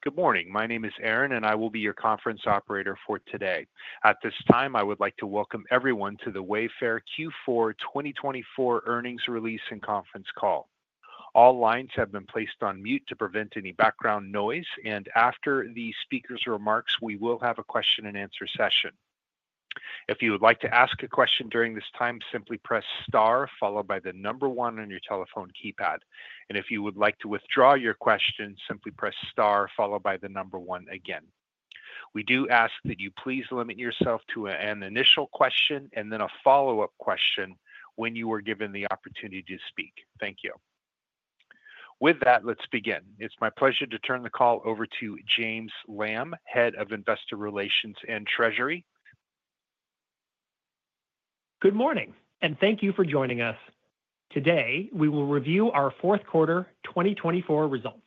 Good morning. My name is Aaron, and I will be your conference Operator for today. At this time, I would like to welcome everyone to the Wayfair Q4 2024 Earnings Release and Conference Call. All lines have been placed on mute to prevent any background noise, and after the speaker's remarks, we will have a question-and-answer session. If you would like to ask a question during this time, simply press star followed by the number one on your telephone keypad, and if you would like to withdraw your question, simply press star followed by the number one again. We do ask that you please limit yourself to an initial question and then a follow-up question when you are given the opportunity to speak. Thank you. With that, let's begin. It's my pleasure to turn the call over to James Lamb, Head of Investor Relations and Treasury. Good morning, and thank you for joining us. Today, we will review our Fourth Quarter 2024 Results.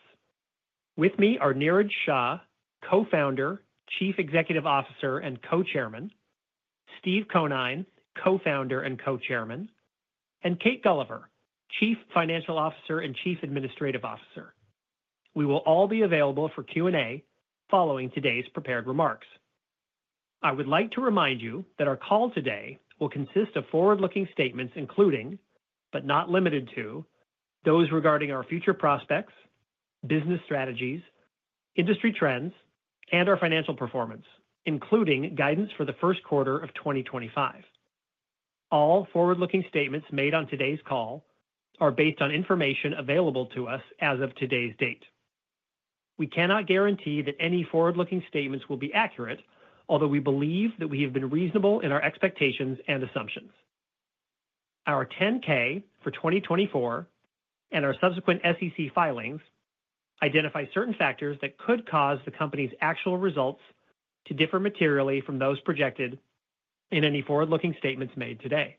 With me are Niraj Shah, Co-founder, Chief Executive Officer, and Co-Chairman, Steve Conine, Co-founder and Co-Chairman, and Kate Gulliver, Chief Financial Officer and Chief Administrative Officer. We will all be available for Q&A following today's prepared remarks. I would like to remind you that our call today will consist of forward-looking statements including, but not limited to, those regarding our future prospects, business strategies, industry trends, and our financial performance, including guidance for the first quarter of 2025. All forward-looking statements made on today's call are based on information available to us as of today's date. We cannot guarantee that any forward-looking statements will be accurate, although we believe that we have been reasonable in our expectations and assumptions. Our 10-K for 2024 and our subsequent SEC filings identify certain factors that could cause the company's actual results to differ materially from those projected in any forward-looking statements made today.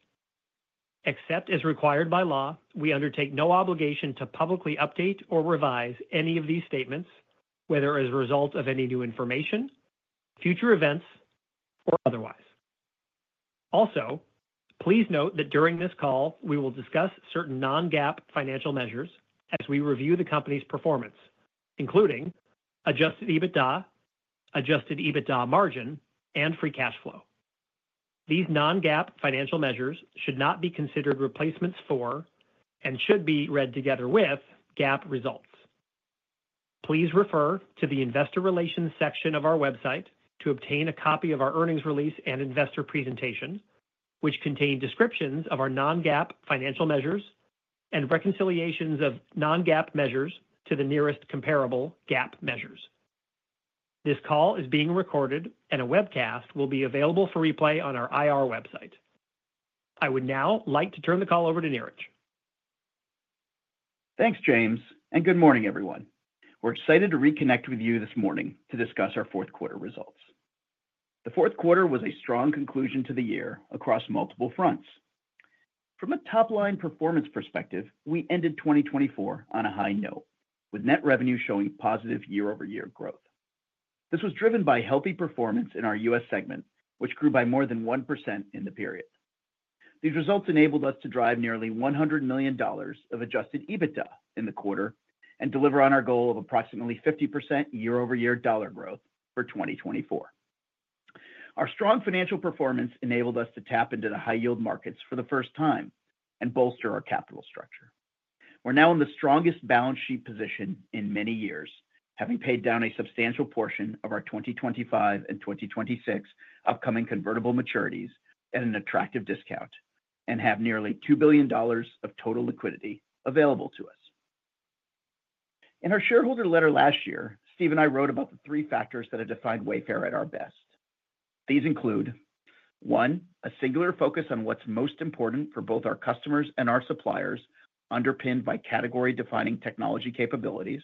Except as required by law, we undertake no obligation to publicly update or revise any of these statements, whether as a result of any new information, future events, or otherwise. Also, please note that during this call, we will discuss certain non-GAAP financial measures as we review the company's performance, including Adjusted EBITDA, Adjusted EBITDA margin, and free cash flow. These non-GAAP financial measures should not be considered replacements for and should be read together with GAAP results. Please refer to the Investor Relations section of our website to obtain a copy of our earnings release and investor presentation, which contain descriptions of our non-GAAP financial measures and reconciliations of non-GAAP measures to the nearest comparable GAAP measures. This call is being recorded, and a webcast will be available for replay on our IR website. I would now like to turn the call over to Niraj. Thanks, James, and good morning, everyone. We're excited to reconnect with you this morning to discuss our fourth quarter results. The fourth quarter was a strong conclusion to the year across multiple fronts. From a top-line performance perspective, we ended 2024 on a high note, with net revenue showing positive year-over-year growth. This was driven by healthy performance in our U.S. segment, which grew by more than 1% in the period. These results enabled us to drive nearly $100 million of Adjusted EBITDA in the quarter and deliver on our goal of approximately 50% year-over-year dollar growth for 2024. Our strong financial performance enabled us to tap into the high-yield markets for the first time and bolster our capital structure. We're now in the strongest balance sheet position in many years, having paid down a substantial portion of our 2025 and 2026 upcoming convertible maturities at an attractive discount and have nearly $2 billion of total liquidity available to us. In our shareholder letter last year, Steve and I wrote about the three factors that have defined Wayfair at our best. These include: one, a singular focus on what's most important for both our customers and our suppliers, underpinned by category-defining technology capabilities.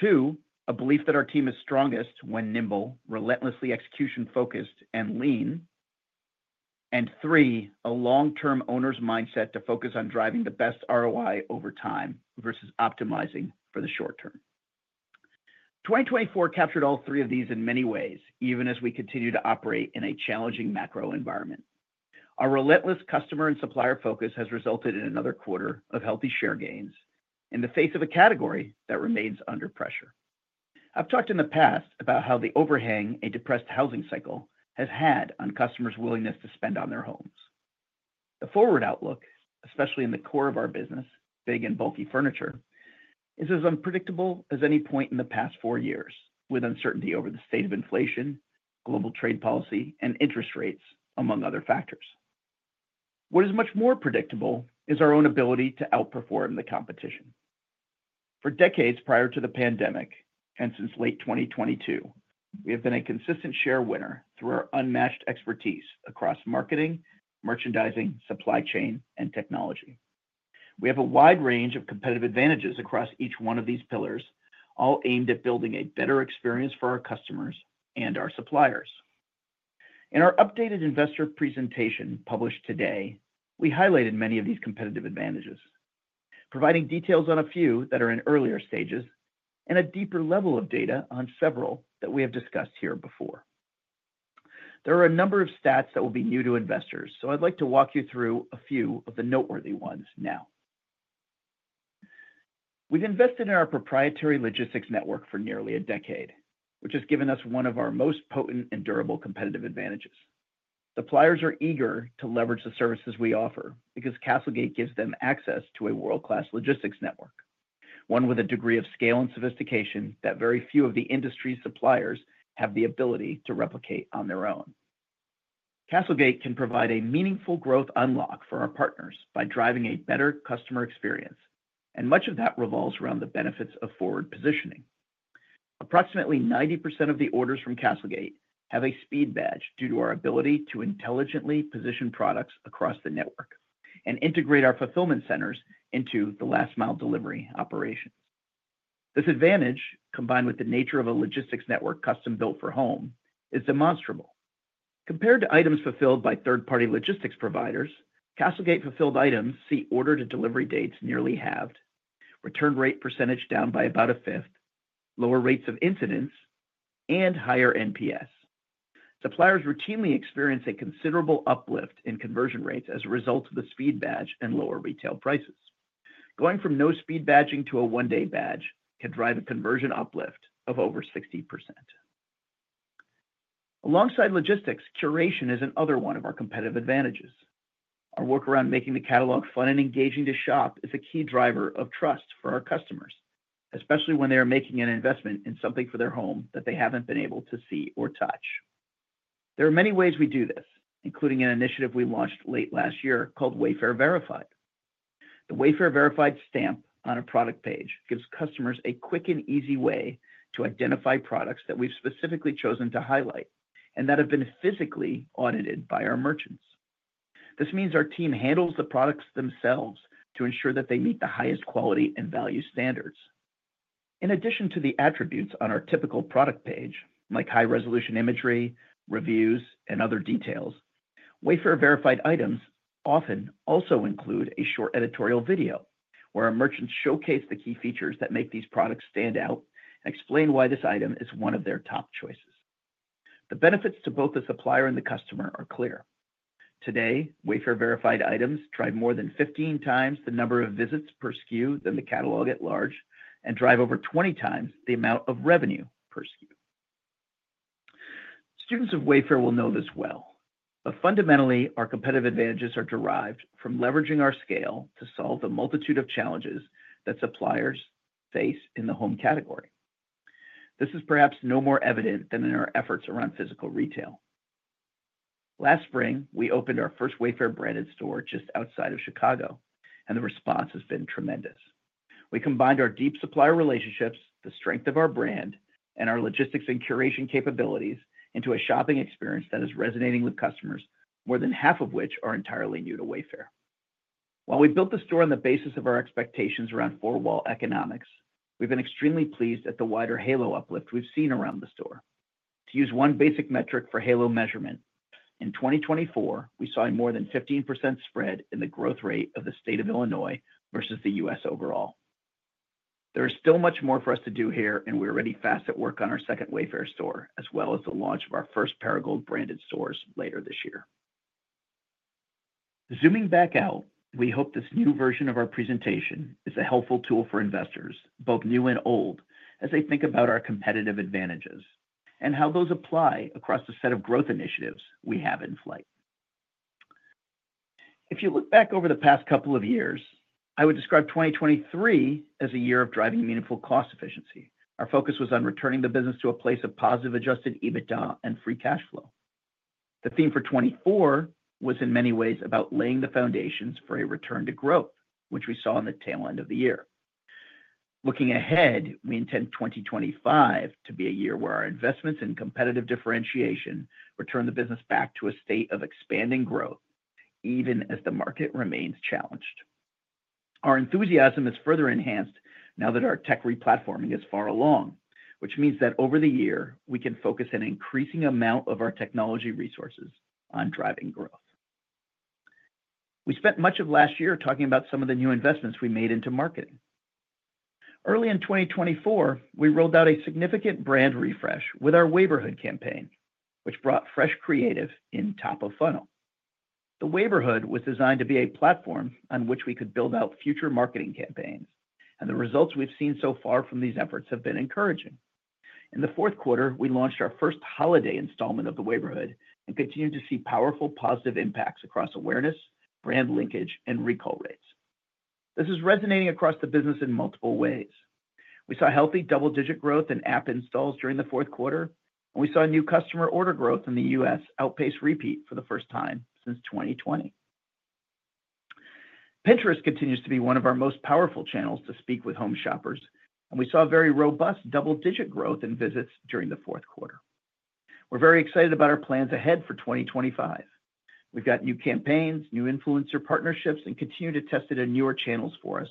Two, a belief that our team is strongest when nimble, relentlessly execution-focused, and lean. And three, a long-term owner's mindset to focus on driving the best ROI over time versus optimizing for the short term. 2024 captured all three of these in many ways, even as we continue to operate in a challenging macro environment. Our relentless customer and supplier focus has resulted in another quarter of healthy share gains in the face of a category that remains under pressure. I've talked in the past about how the overhang of a depressed housing cycle has had on customers' willingness to spend on their homes. The forward outlook, especially in the core of our business, big and bulky furniture, is as unpredictable as any point in the past four years, with uncertainty over the state of inflation, global trade policy, and interest rates, among other factors. What is much more predictable is our own ability to outperform the competition. For decades prior to the pandemic and since late 2022, we have been a consistent share winner through our unmatched expertise across marketing, merchandising, supply chain, and technology. We have a wide range of competitive advantages across each one of these pillars, all aimed at building a better experience for our customers and our suppliers. In our updated investor presentation published today, we highlighted many of these competitive advantages, providing details on a few that are in earlier stages, and a deeper level of data on several that we have discussed here before. There are a number of stats that will be new to investors, so I'd like to walk you through a few of the noteworthy ones now. We've invested in our proprietary logistics network for nearly a decade, which has given us one of our most potent and durable competitive advantages. Suppliers are eager to leverage the services we offer because CastleGate gives them access to a world-class logistics network, one with a degree of scale and sophistication that very few of the industry's suppliers have the ability to replicate on their own. CastleGate can provide a meaningful growth unlock for our partners by driving a better customer experience, and much of that revolves around the benefits of forward positioning. Approximately 90% of the orders from CastleGate have a Speed Badge due to our ability to intelligently position products across the network and integrate our fulfillment centers into the last-mile delivery operations. This advantage, combined with the nature of a logistics network custom-built for home, is demonstrable. Compared to items fulfilled by third-party logistics providers, CastleGate-fulfilled items see order-to-delivery dates nearly halved, return rate percentage down by about a fifth, lower rates of incidence, and higher NPS. Suppliers routinely experience a considerable uplift in conversion rates as a result of the Speed Badge and lower retail prices. Going from no Speed Badge to a one-day badge can drive a conversion uplift of over 60%. Alongside logistics, curation is another one of our competitive advantages. Our work around making the catalog fun and engaging to shop is a key driver of trust for our customers, especially when they are making an investment in something for their home that they haven't been able to see or touch. There are many ways we do this, including an initiative we launched late last year called Wayfair Verified. The Wayfair Verified stamp on a product page gives customers a quick and easy way to identify products that we've specifically chosen to highlight and that have been physically audited by our merchants. This means our team handles the products themselves to ensure that they meet the highest quality and value standards. In addition to the attributes on our typical product page, like high-resolution imagery, reviews, and other details, Wayfair Verified items often also include a short editorial video where our merchants showcase the key features that make these products stand out and explain why this item is one of their top choices. The benefits to both the supplier and the customer are clear. Today, Wayfair Verified items drive more than 15 times the number of visits per SKU than the catalog at large and drive over 20 times the amount of revenue per SKU. Students of Wayfair will know this well, but fundamentally, our competitive advantages are derived from leveraging our scale to solve the multitude of challenges that suppliers face in the home category. This is perhaps no more evident than in our efforts around physical retail. Last spring, we opened our first Wayfair branded store just outside of Chicago, and the response has been tremendous. We combined our deep supplier relationships, the strength of our brand, and our logistics and curation capabilities into a shopping experience that is resonating with customers, more than half of which are entirely new to Wayfair. While we built the store on the basis of our expectations around four-wall economics, we've been extremely pleased at the wider halo uplift we've seen around the store. To use one basic metric for halo measurement, in 2024, we saw a more than 15% spread in the growth rate of the state of Illinois versus the U.S. overall. There is still much more for us to do here, and we're already fast at work on our second Wayfair store, as well as the launch of our first Parigold branded stores later this year. Zooming back out, we hope this new version of our presentation is a helpful tool for investors, both new and old, as they think about our competitive advantages and how those apply across the set of growth initiatives we have in play. If you look back over the past couple of years, I would describe 2023 as a year of driving meaningful cost efficiency. Our focus was on returning the business to a place of positive Adjusted EBITDA and Free Cash Flow. The theme for 2024 was, in many ways, about laying the foundations for a return to growth, which we saw in the tail end of the year. Looking ahead, we intend 2025 to be a year where our investments and competitive differentiation return the business back to a state of expanding growth, even as the market remains challenged. Our enthusiasm is further enhanced now that our tech replatforming is far along, which means that over the year, we can focus an increasing amount of our technology resources on driving growth. We spent much of last year talking about some of the new investments we made into marketing. Early in 2024, we rolled out a significant brand refresh with our Wayborhood campaign, which brought fresh creative in top of funnel. The Wayborhood was designed to be a platform on which we could build out future marketing campaigns, and the results we've seen so far from these efforts have been encouraging. In the fourth quarter, we launched our first holiday installment of Wayborhood and continued to see powerful positive impacts across awareness, brand linkage, and recall rates. This is resonating across the business in multiple ways. We saw healthy double-digit growth in app installs during the fourth quarter, and we saw new customer order growth in the U.S. outpace repeat for the first time since 2020. Pinterest continues to be one of our most powerful channels to speak with home shoppers, and we saw very robust double-digit growth in visits during the fourth quarter. We're very excited about our plans ahead for 2025. We've got new campaigns, new influencer partnerships, and continue to test it in newer channels for us,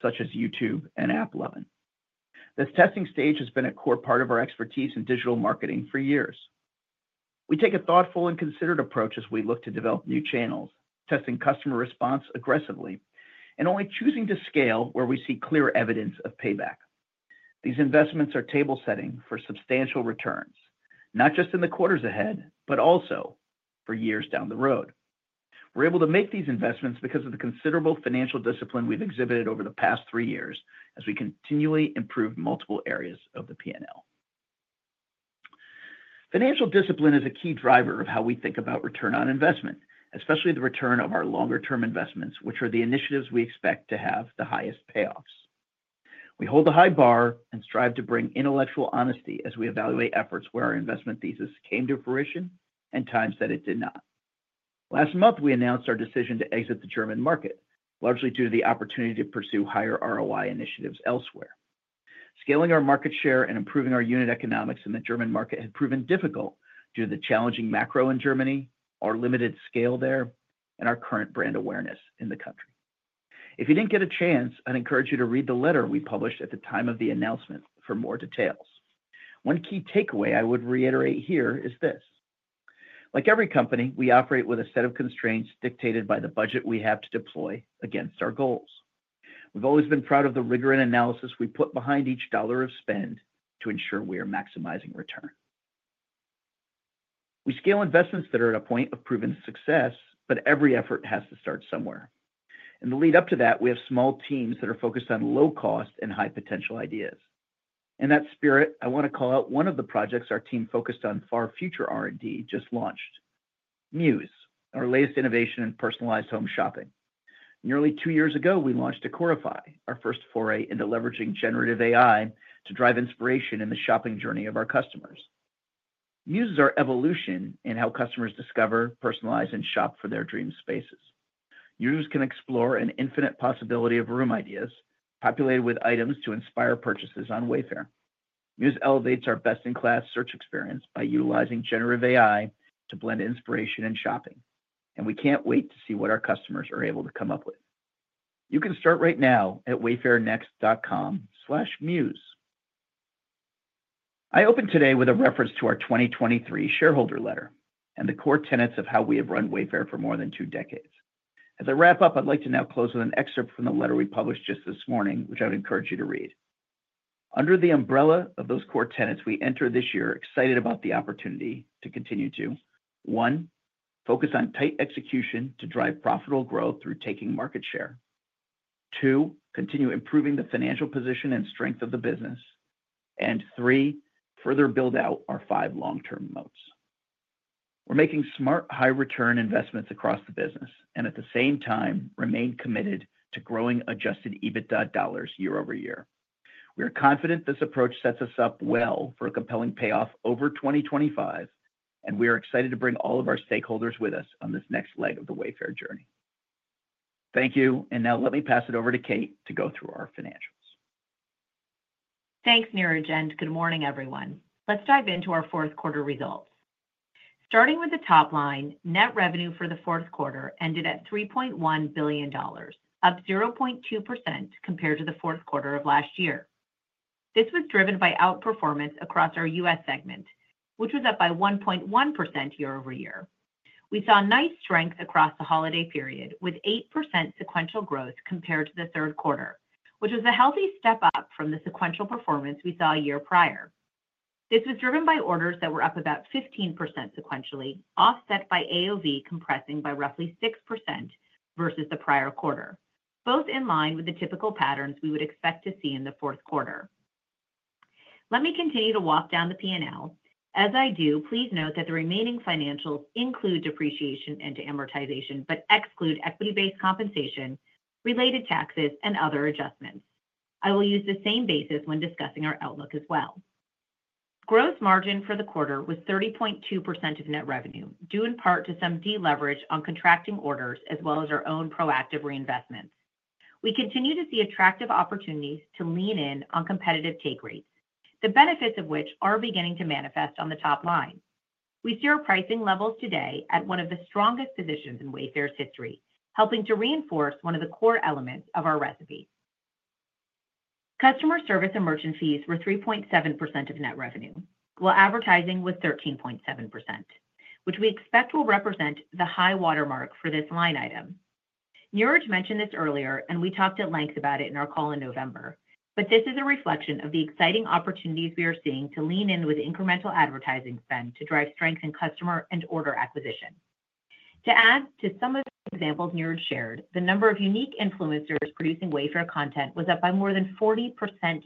such as YouTube and AppLovin. This testing stage has been a core part of our expertise in digital marketing for years. We take a thoughtful and considered approach as we look to develop new channels, testing customer response aggressively and only choosing to scale where we see clear evidence of payback. These investments are table-setting for substantial returns, not just in the quarters ahead, but also for years down the road. We're able to make these investments because of the considerable financial discipline we've exhibited over the past three years as we continually improve multiple areas of the P&L. Financial discipline is a key driver of how we think about return on investment, especially the return of our longer-term investments, which are the initiatives we expect to have the highest payoffs. We hold a high bar and strive to bring intellectual honesty as we evaluate efforts where our investment thesis came to fruition and times that it did not. Last month, we announced our decision to exit the German market, largely due to the opportunity to pursue higher ROI initiatives elsewhere. Scaling our market share and improving our unit economics in the German market had proven difficult due to the challenging macro in Germany, our limited scale there, and our current brand awareness in the country. If you didn't get a chance, I'd encourage you to read the letter we published at the time of the announcement for more details. One key takeaway I would reiterate here is this: like every company, we operate with a set of constraints dictated by the budget we have to deploy against our goals. We've always been proud of the rigor and analysis we put behind each dollar of spend to ensure we are maximizing return. We scale investments that are at a point of proven success, but every effort has to start somewhere. In the lead-up to that, we have small teams that are focused on low-cost and high-potential ideas. In that spirit, I want to call out one of the projects our team focused on far future R&D just launched: Muse, our latest innovation in personalized home shopping. Nearly two years ago, we launched Decorify, our first foray into leveraging generative AI to drive inspiration in the shopping journey of our customers. Muse is our evolution in how customers discover, personalize, and shop for their dream spaces. Users can explore an infinite possibility of room ideas populated with items to inspire purchases on Wayfair. Muse elevates our best-in-class search experience by utilizing generative AI to blend inspiration and shopping, and we can't wait to see what our customers are able to come up with. You can start right now at wayfairnext.com/muse. I open today with a reference to our 2023 shareholder letter and the core tenets of how we have run Wayfair for more than two decades. As I wrap up, I'd like to now close with an excerpt from the letter we published just this morning, which I would encourage you to read. Under the umbrella of those core tenets, we enter this year excited about the opportunity to continue to: one, focus on tight execution to drive profitable growth through taking market share, two, continue improving the financial position and strength of the business, and three, further build out our five long-term moats. We're making smart, high-return investments across the business and, at the same time, remain committed to growing Adjusted EBITDA dollars year-over-year. We are confident this approach sets us up well for a compelling payoff over 2025, and we are excited to bring all of our stakeholders with us on this next leg of the Wayfair journey. Thank you, and now let me pass it over to Kate to go through our financials. Thanks, Niraj, and good morning, everyone. Let's dive into our fourth quarter results. Starting with the top line, net revenue for the fourth quarter ended at $3.1 billion, up 0.2% compared to the fourth quarter of last year. This was driven by outperformance across our U.S. segment, which was up by 1.1% year-over-year. We saw nice strength across the holiday period, with 8% sequential growth compared to the third quarter, which was a healthy step up from the sequential performance we saw a year prior. This was driven by orders that were up about 15% sequentially, offset by AOV compressing by roughly 6% versus the prior quarter, both in line with the typical patterns we would expect to see in the fourth quarter. Let me continue to walk down the P&L. As I do, please note that the remaining financials include depreciation and amortization, but exclude equity-based compensation, related taxes, and other adjustments. I will use the same basis when discussing our outlook as well. Gross margin for the quarter was 30.2% of net revenue, due in part to some deleverage on contracting orders, as well as our own proactive reinvestments. We continue to see attractive opportunities to lean in on competitive take rates, the benefits of which are beginning to manifest on the top line. We see our pricing levels today at one of the strongest positions in Wayfair's history, helping to reinforce one of the core elements of our recipe. Customer service and merchant fees were 3.7% of net revenue, while advertising was 13.7%, which we expect will represent the high watermark for this line item. Niraj mentioned this earlier, and we talked at length about it in our call in November, but this is a reflection of the exciting opportunities we are seeing to lean in with incremental advertising spend to drive strength in customer and order acquisition. To add to some of the examples Niraj shared, the number of unique influencers producing Wayfair content was up by more than 40%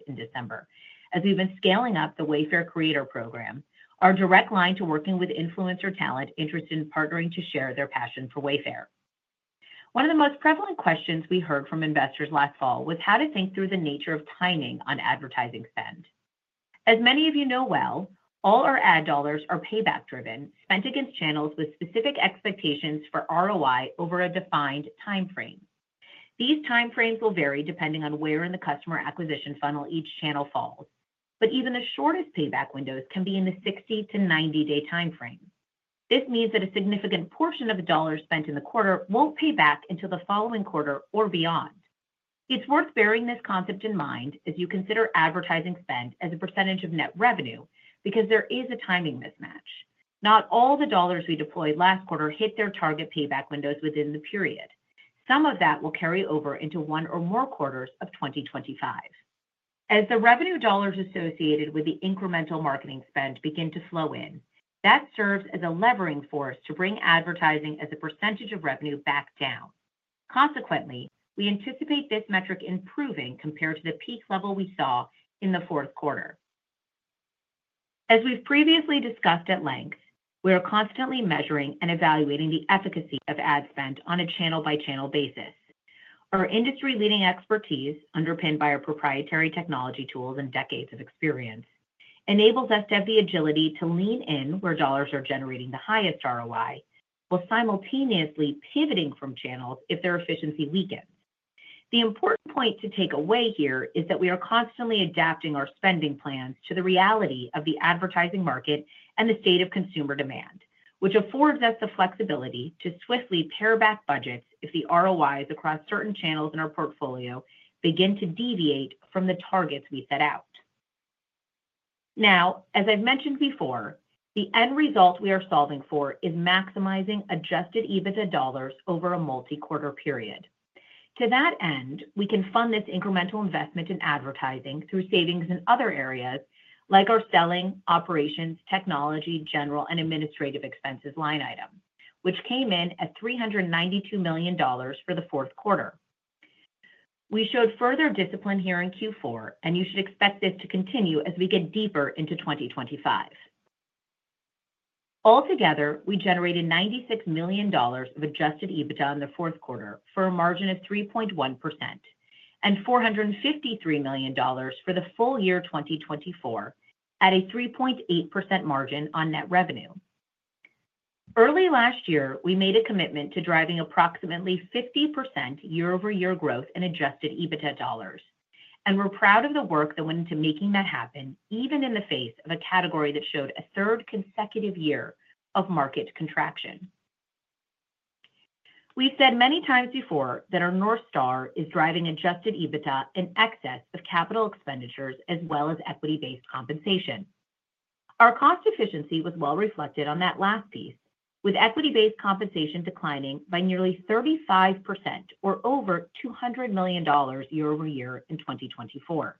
in December, as we've been scaling up the Wayfair Creator program, our direct line to working with influencer talent interested in partnering to share their passion for Wayfair. One of the most prevalent questions we heard from investors last fall was how to think through the nature of timing on advertising spend. As many of you know well, all our ad dollars are payback-driven, spent against channels with specific expectations for ROI over a defined timeframe. These timeframes will vary depending on where in the customer acquisition funnel each channel falls, but even the shortest payback windows can be in the 60-90 day timeframe. This means that a significant portion of the dollars spent in the quarter won't pay back until the following quarter or beyond. It's worth bearing this concept in mind as you consider advertising spend as a percentage of net revenue because there is a timing mismatch. Not all the dollars we deployed last quarter hit their target payback windows within the period. Some of that will carry over into one or more quarters of 2025. As the revenue dollars associated with the incremental marketing spend begin to flow in, that serves as a levering force to bring advertising as a percentage of revenue back down. Consequently, we anticipate this metric improving compared to the peak level we saw in the fourth quarter. As we've previously discussed at length, we are constantly measuring and evaluating the efficacy of ad spend on a channel-by-channel basis. Our industry-leading expertise, underpinned by our proprietary technology tools and decades of experience, enables us to have the agility to lean in where dollars are generating the highest ROI while simultaneously pivoting from channels if their efficiency weakens. The important point to take away here is that we are constantly adapting our spending plans to the reality of the advertising market and the state of consumer demand, which affords us the flexibility to swiftly pare back budgets if the ROIs across certain channels in our portfolio begin to deviate from the targets we set out. Now, as I've mentioned before, the end result we are solving for is maximizing Adjusted EBITDA dollars over a multi-quarter period. To that end, we can fund this incremental investment in advertising through savings in other areas like our Selling, Operations, Technology, General, and Administrative Expenses line item, which came in at $392 million for the fourth quarter. We showed further discipline here in Q4, and you should expect this to continue as we get deeper into 2025. Altogether, we generated $96 million of Adjusted EBITDA in the fourth quarter for a margin of 3.1% and $453 million for the full year 2024 at a 3.8% margin on net revenue. Early last year, we made a commitment to driving approximately 50% year-over-year growth in Adjusted EBITDA dollars, and we're proud of the work that went into making that happen even in the face of a category that showed a third consecutive year of market contraction. We've said many times before that our North Star is driving Adjusted EBITDA in excess of capital expenditures as well as equity-based compensation. Our cost efficiency was well reflected on that last piece, with equity-based compensation declining by nearly 35% or over $200 million year-over-year in 2024.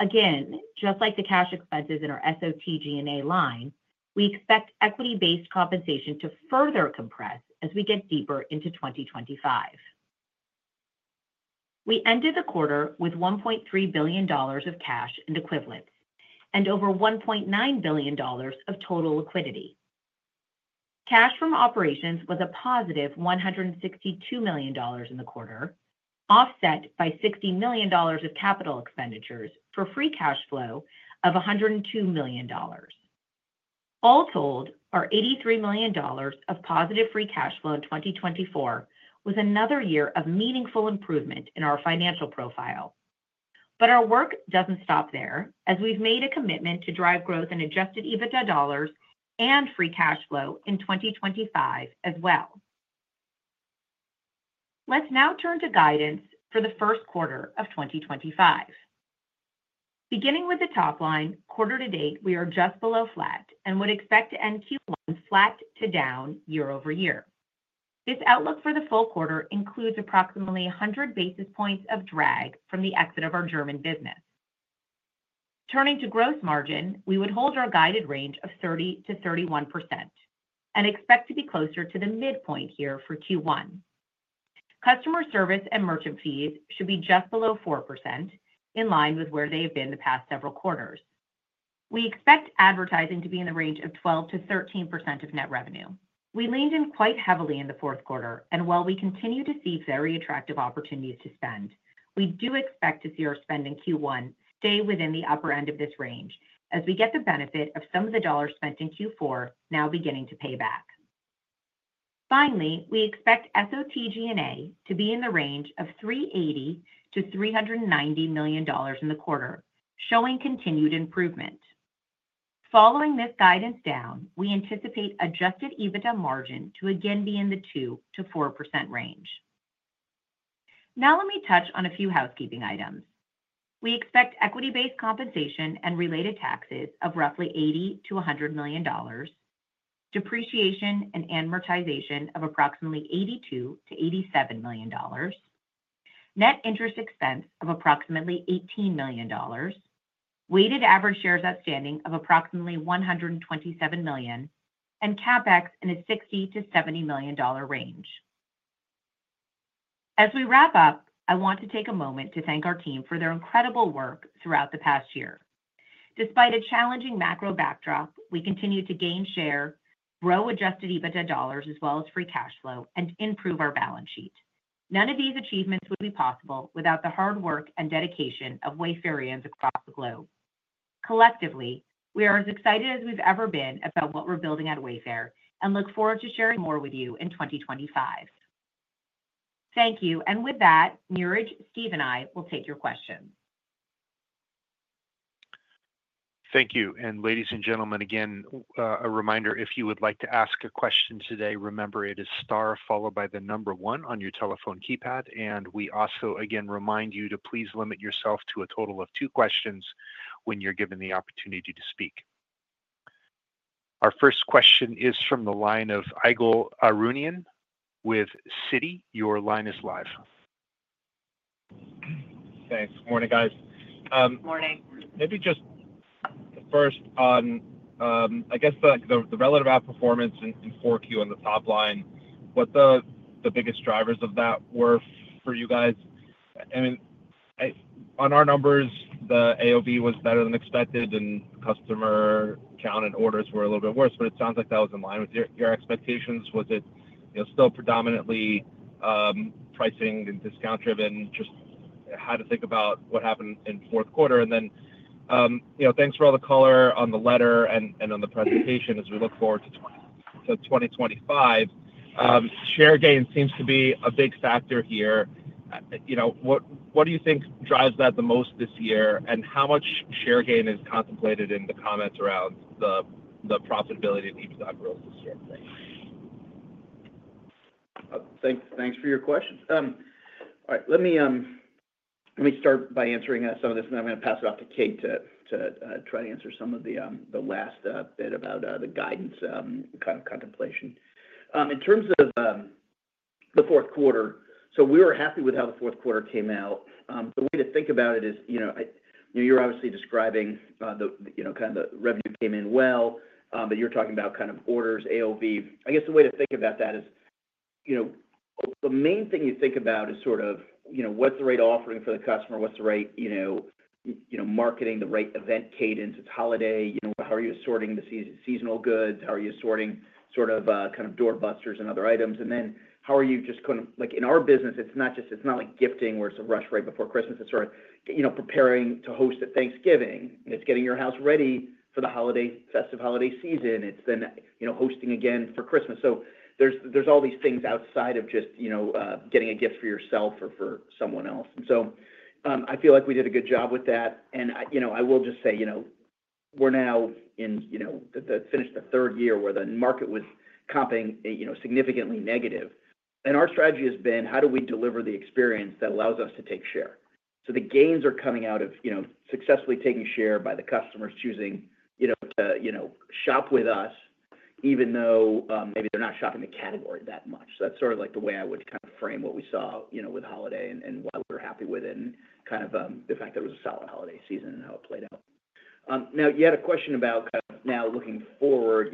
Again, just like the cash expenses in our SOT G&A line, we expect equity-based compensation to further compress as we get deeper into 2025. We ended the quarter with $1.3 billion of cash and equivalents and over $1.9 billion of total liquidity. Cash from operations was a positive $162 million in the quarter, offset by $60 million of capital expenditures for Free Cash Flow of $102 million. All told, our $83 million of positive Free Cash Flow in 2024 was another year of meaningful improvement in our financial profile. But our work doesn't stop there, as we've made a commitment to drive growth in Adjusted EBITDA dollars and Free Cash Flow in 2025 as well. Let's now turn to guidance for the first quarter of 2025. Beginning with the top line, quarter-to-date, we are just below flat and would expect to end Q1 flat to down year-over-year. This outlook for the full quarter includes approximately 100 basis points of drag from the exit of our German business. Turning to gross margin, we would hold our guided range of 30%-31% and expect to be closer to the midpoint here for Q1. Customer service and merchant fees should be just below 4%, in line with where they have been the past several quarters. We expect advertising to be in the range of 12%-13% of net revenue. We leaned in quite heavily in the fourth quarter, and while we continue to see very attractive opportunities to spend, we do expect to see our spend in Q1 stay within the upper end of this range as we get the benefit of some of the dollars spent in Q4 now beginning to pay back. Finally, we expect SOT G&A to be in the range of $380 million-$390 million in the quarter, showing continued improvement. Following this guidance down, we anticipate Adjusted EBITDA margin to again be in the 2%-4% range. Now let me touch on a few housekeeping items. We expect equity-based compensation and related taxes of roughly $80 million-$100 million, depreciation and amortization of approximately $82 million-$87 million, net interest expense of approximately $18 million, weighted average shares outstanding of approximately 127 million, and CapEx in a $60 million-$70 million range. As we wrap up, I want to take a moment to thank our team for their incredible work throughout the past year. Despite a challenging macro backdrop, we continue to gain share, grow Adjusted EBITDA dollars as well as Free Cash Flow, and improve our balance sheet. None of these achievements would be possible without the hard work and dedication of Wayfairians across the globe. Collectively, we are as excited as we've ever been about what we're building at Wayfair and look forward to sharing more with you in 2025. Thank you, and with that, Niraj, Steve, and I will take your questions. Thank you, and ladies and gentlemen, again, a reminder, if you would like to ask a question today, remember it is star followed by the number one on your telephone keypad, and we also again remind you to please limit yourself to a total of two questions when you're given the opportunity to speak. Our first question is from the line of Ygal Arounian with Citi. Your line is live. Thanks. Good morning, guys. Good morning. Maybe just first on, I guess, the relative outperformance in 4Q on the top line, what the biggest drivers of that were for you guys? I mean, on our numbers, the AOV was better than expected, and customer count and orders were a little bit worse, but it sounds like that was in line with your expectations. Was it still predominantly pricing and discount-driven? Just had to think about what happened in fourth quarter, and then thanks for all the color on the letter and on the presentation as we look forward to 2025. Share gain seems to be a big factor here. What do you think drives that the most this year, and how much share gain is contemplated in the comments around the profitability and EBITDA growth this year? Thanks for your questions. All right. Let me start by answering some of this, and then I'm going to pass it off to Kate to try to answer some of the last bit about the guidance kind of contemplation. In terms of the fourth quarter, so we were happy with how the fourth quarter came out. The way to think about it is you're obviously describing kind of the revenue came in well, but you're talking about kind of orders, AOV. I guess the way to think about that is the main thing you think about is sort of what's the right offering for the customer, what's the right marketing, the right event cadence, it's holiday, how are you assorting the seasonal goods, how are you assorting sort of kind of doorbusters and other items, and then how are you just kind of in our business, it's not like gifting where it's a rush right before Christmas. It's sort of preparing to host at Thanksgiving. It's getting your house ready for the festive holiday season. It's then hosting again for Christmas. So there's all these things outside of just getting a gift for yourself or for someone else. And so I feel like we did a good job with that. And I will just say we're now finished the third year where the market was comping significantly negative. And our strategy has been, how do we deliver the experience that allows us to take share? So the gains are coming out of successfully taking share by the customers choosing to shop with us, even though maybe they're not shopping the category that much. So that's sort of like the way I would kind of frame what we saw with holiday and why we were happy with it and kind of the fact that it was a solid holiday season and how it played out. Now, you had a question about kind of now looking forward.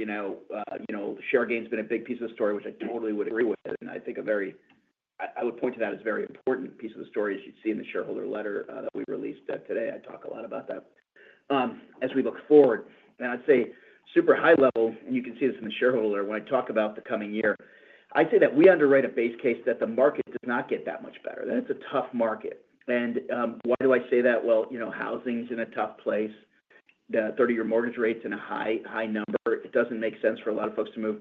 Share gain has been a big piece of the story, which I totally would agree with. And I think I would point to that as a very important piece of the story, as you'd see in the shareholder letter that we released today. I talk a lot about that as we look forward. And I'd say super high level, and you can see this in the shareholder letter when I talk about the coming year. I'd say that we underwrite a base case that the market does not get that much better. That's a tough market. And why do I say that? Well, housing's in a tough place, the 30-year mortgage rate's in a high number. It doesn't make sense for a lot of folks to move.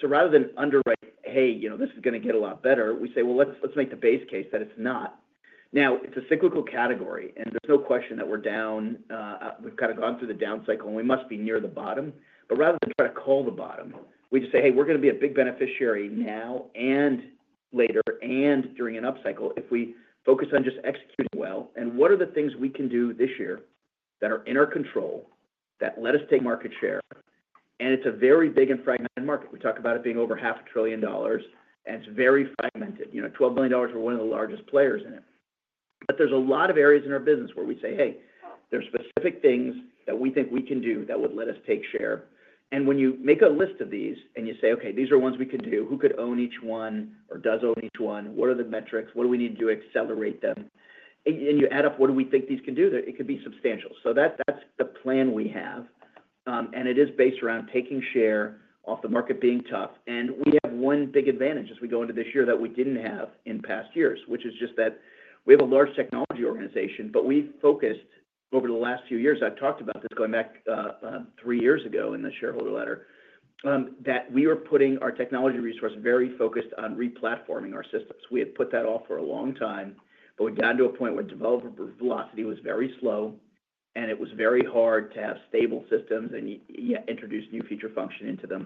So rather than underwrite, "Hey, this is going to get a lot better," we say, "Well, let's make the base case that it's not." Now, it's a cyclical category, and there's no question that we're down. We've kind of gone through the down cycle, and we must be near the bottom. But rather than try to call the bottom, we just say, "Hey, we're going to be a big beneficiary now and later and during an upcycle if we focus on just executing well." And what are the things we can do this year that are in our control that let us take market share? And it's a very big and fragmented market. We talk about it being over $500 billion, and it's very fragmented. $12 million for one of the largest players in it. There’s a lot of areas in our business where we say, “Hey, there’s specific things that we think we can do that would let us take share.” When you make a list of these and you say, “Okay, these are ones we can do, who could own each one or does own each one? What are the metrics? What do we need to do to accelerate them?” You add up what do we think these can do. It could be substantial. That’s the plan we have, and it is based around taking share off the market being tough. We have one big advantage as we go into this year that we didn’t have in past years, which is just that we have a large technology organization, but we’ve focused over the last few years. I've talked about this going back three years ago in the shareholder letter, that we were putting our technology resource very focused on replatforming our systems. We had put that off for a long time, but we got to a point where developer velocity was very slow, and it was very hard to have stable systems and introduce new feature function into them,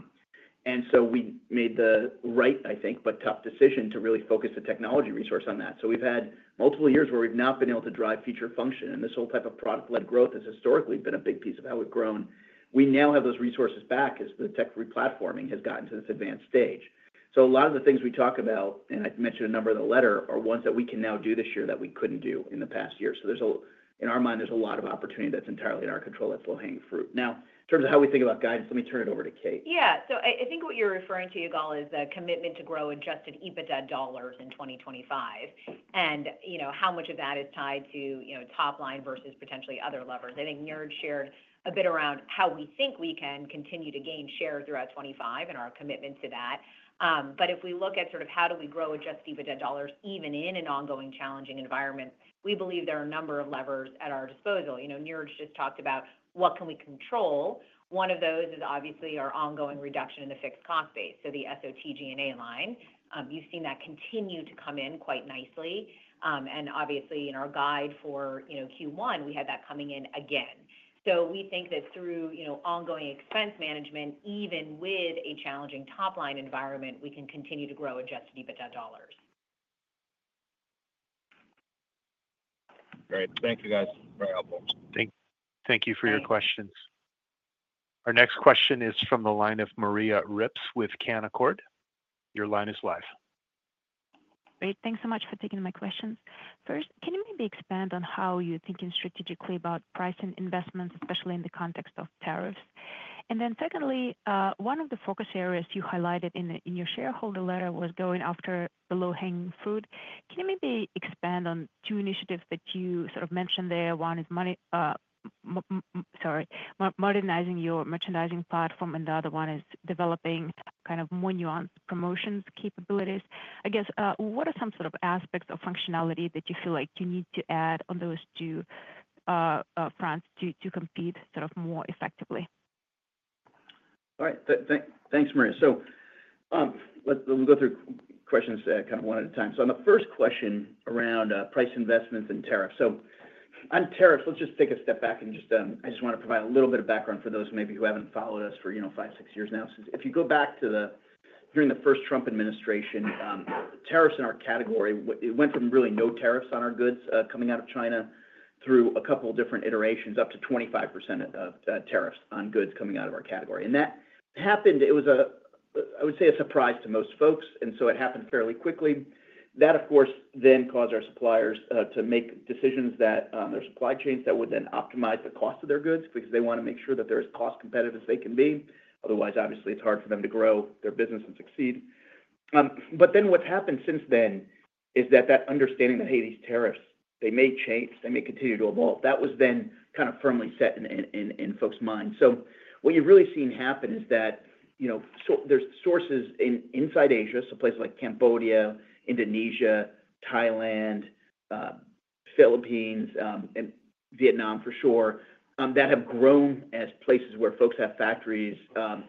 and so we made the right, I think, but tough decision to really focus the technology resource on that, so we've had multiple years where we've not been able to drive feature function, and this whole type of product-led growth has historically been a big piece of how we've grown. We now have those resources back as the tech replatforming has gotten to this advanced stage. So a lot of the things we talk about, and I mentioned a number of the latter, are ones that we can now do this year that we couldn't do in the past year. So in our mind, there's a lot of opportunity that's entirely in our control that's still low-hanging fruit. Now, in terms of how we think about guidance, let me turn it over to Kate. Yeah. So I think what you're referring to, Ygal, is the commitment to grow Adjusted EBITDA dollars in 2025 and how much of that is tied to top line versus potentially other levers. I think Niraj shared a bit around how we think we can continue to gain share throughout 2025 and our commitment to that. But if we look at sort of how do we grow Adjusted EBITDA dollars even in an ongoing challenging environment, we believe there are a number of levers at our disposal. Niraj just talked about what can we control. One of those is obviously our ongoing reduction in the fixed cost base, so the SOT G&A line. You've seen that continue to come in quite nicely. And obviously, in our guide for Q1, we had that coming in again. So we think that through ongoing expense management, even with a challenging top line environment, we can continue to grow Adjusted EBITDA dollars. Great. Thank you, guys. Very helpful. Thank you for your questions. Our next question is from the line of Maria Ripps with Canaccord. Your line is live. Great. Thanks so much for taking my questions. First, can you maybe expand on how you're thinking strategically about pricing investments, especially in the context of tariffs? And then secondly, one of the focus areas you highlighted in your shareholder letter was going after the low-hanging fruit. Can you maybe expand on two initiatives that you sort of mentioned there? One is modernizing your merchandising platform, and the other one is developing kind of more nuanced promotions capabilities. I guess, what are some sort of aspects of functionality that you feel like you need to add on those two fronts to compete sort of more effectively? All right. Thanks, Maria. So let me go through questions kind of one at a time. So on the first question around price investments and tariffs. So, on tariffs, let's just take a step back, and I just want to provide a little bit of background for those maybe who haven't followed us for five, six years now. If you go back to the first Trump administration, tariffs in our category, it went from really no tariffs on our goods coming out of China through a couple of different iterations up to 25% tariffs on goods coming out of our category. And that happened, it was, I would say, a surprise to most folks, and so it happened fairly quickly. That, of course, then caused our suppliers to make decisions that their supply chains that would then optimize the cost of their goods because they want to make sure that they're as cost-competitive as they can be. Otherwise, obviously, it's hard for them to grow their business and succeed. But then what's happened since then is that that understanding that, hey, these tariffs, they may change, they may continue to evolve, that was then kind of firmly set in folks' minds. So what you've really seen happen is that there's sources inside Asia, so places like Cambodia, Indonesia, Thailand, Philippines, and Vietnam for sure, that have grown as places where folks have factories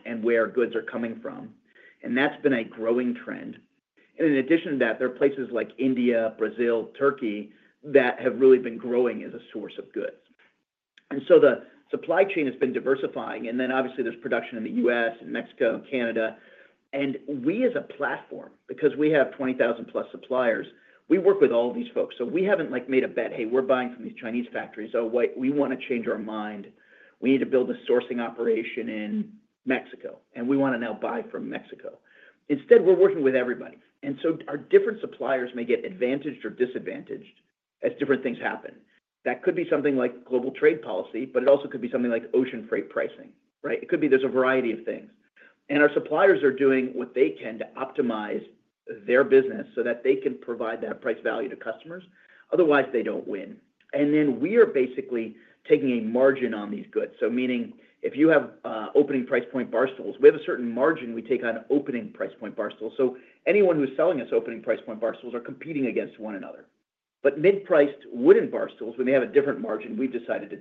and where goods are coming from. And that's been a growing trend. And in addition to that, there are places like India, Brazil, Turkey that have really been growing as a source of goods. And so the supply chain has been diversifying. And then obviously, there's production in the U.S. and Mexico and Canada. And we as a platform, because we have 20,000 plus suppliers, we work with all these folks. So we haven't made a bet, "Hey, we're buying from these Chinese factories. Oh, we want to change our mind. We need to build a sourcing operation in Mexico, and we want to now buy from Mexico." Instead, we're working with everybody. And so our different suppliers may get advantaged or disadvantaged as different things happen. That could be something like global trade policy, but it also could be something like ocean freight pricing, right? It could be there's a variety of things. And our suppliers are doing what they can to optimize their business so that they can provide that price value to customers. Otherwise, they don't win. And then we are basically taking a margin on these goods. So meaning if you have opening price point barstools, we have a certain margin we take on opening price point barstools. So anyone who's selling us opening price point barstools are competing against one another. But mid-priced wooden barstools, when they have a different margin, we've decided to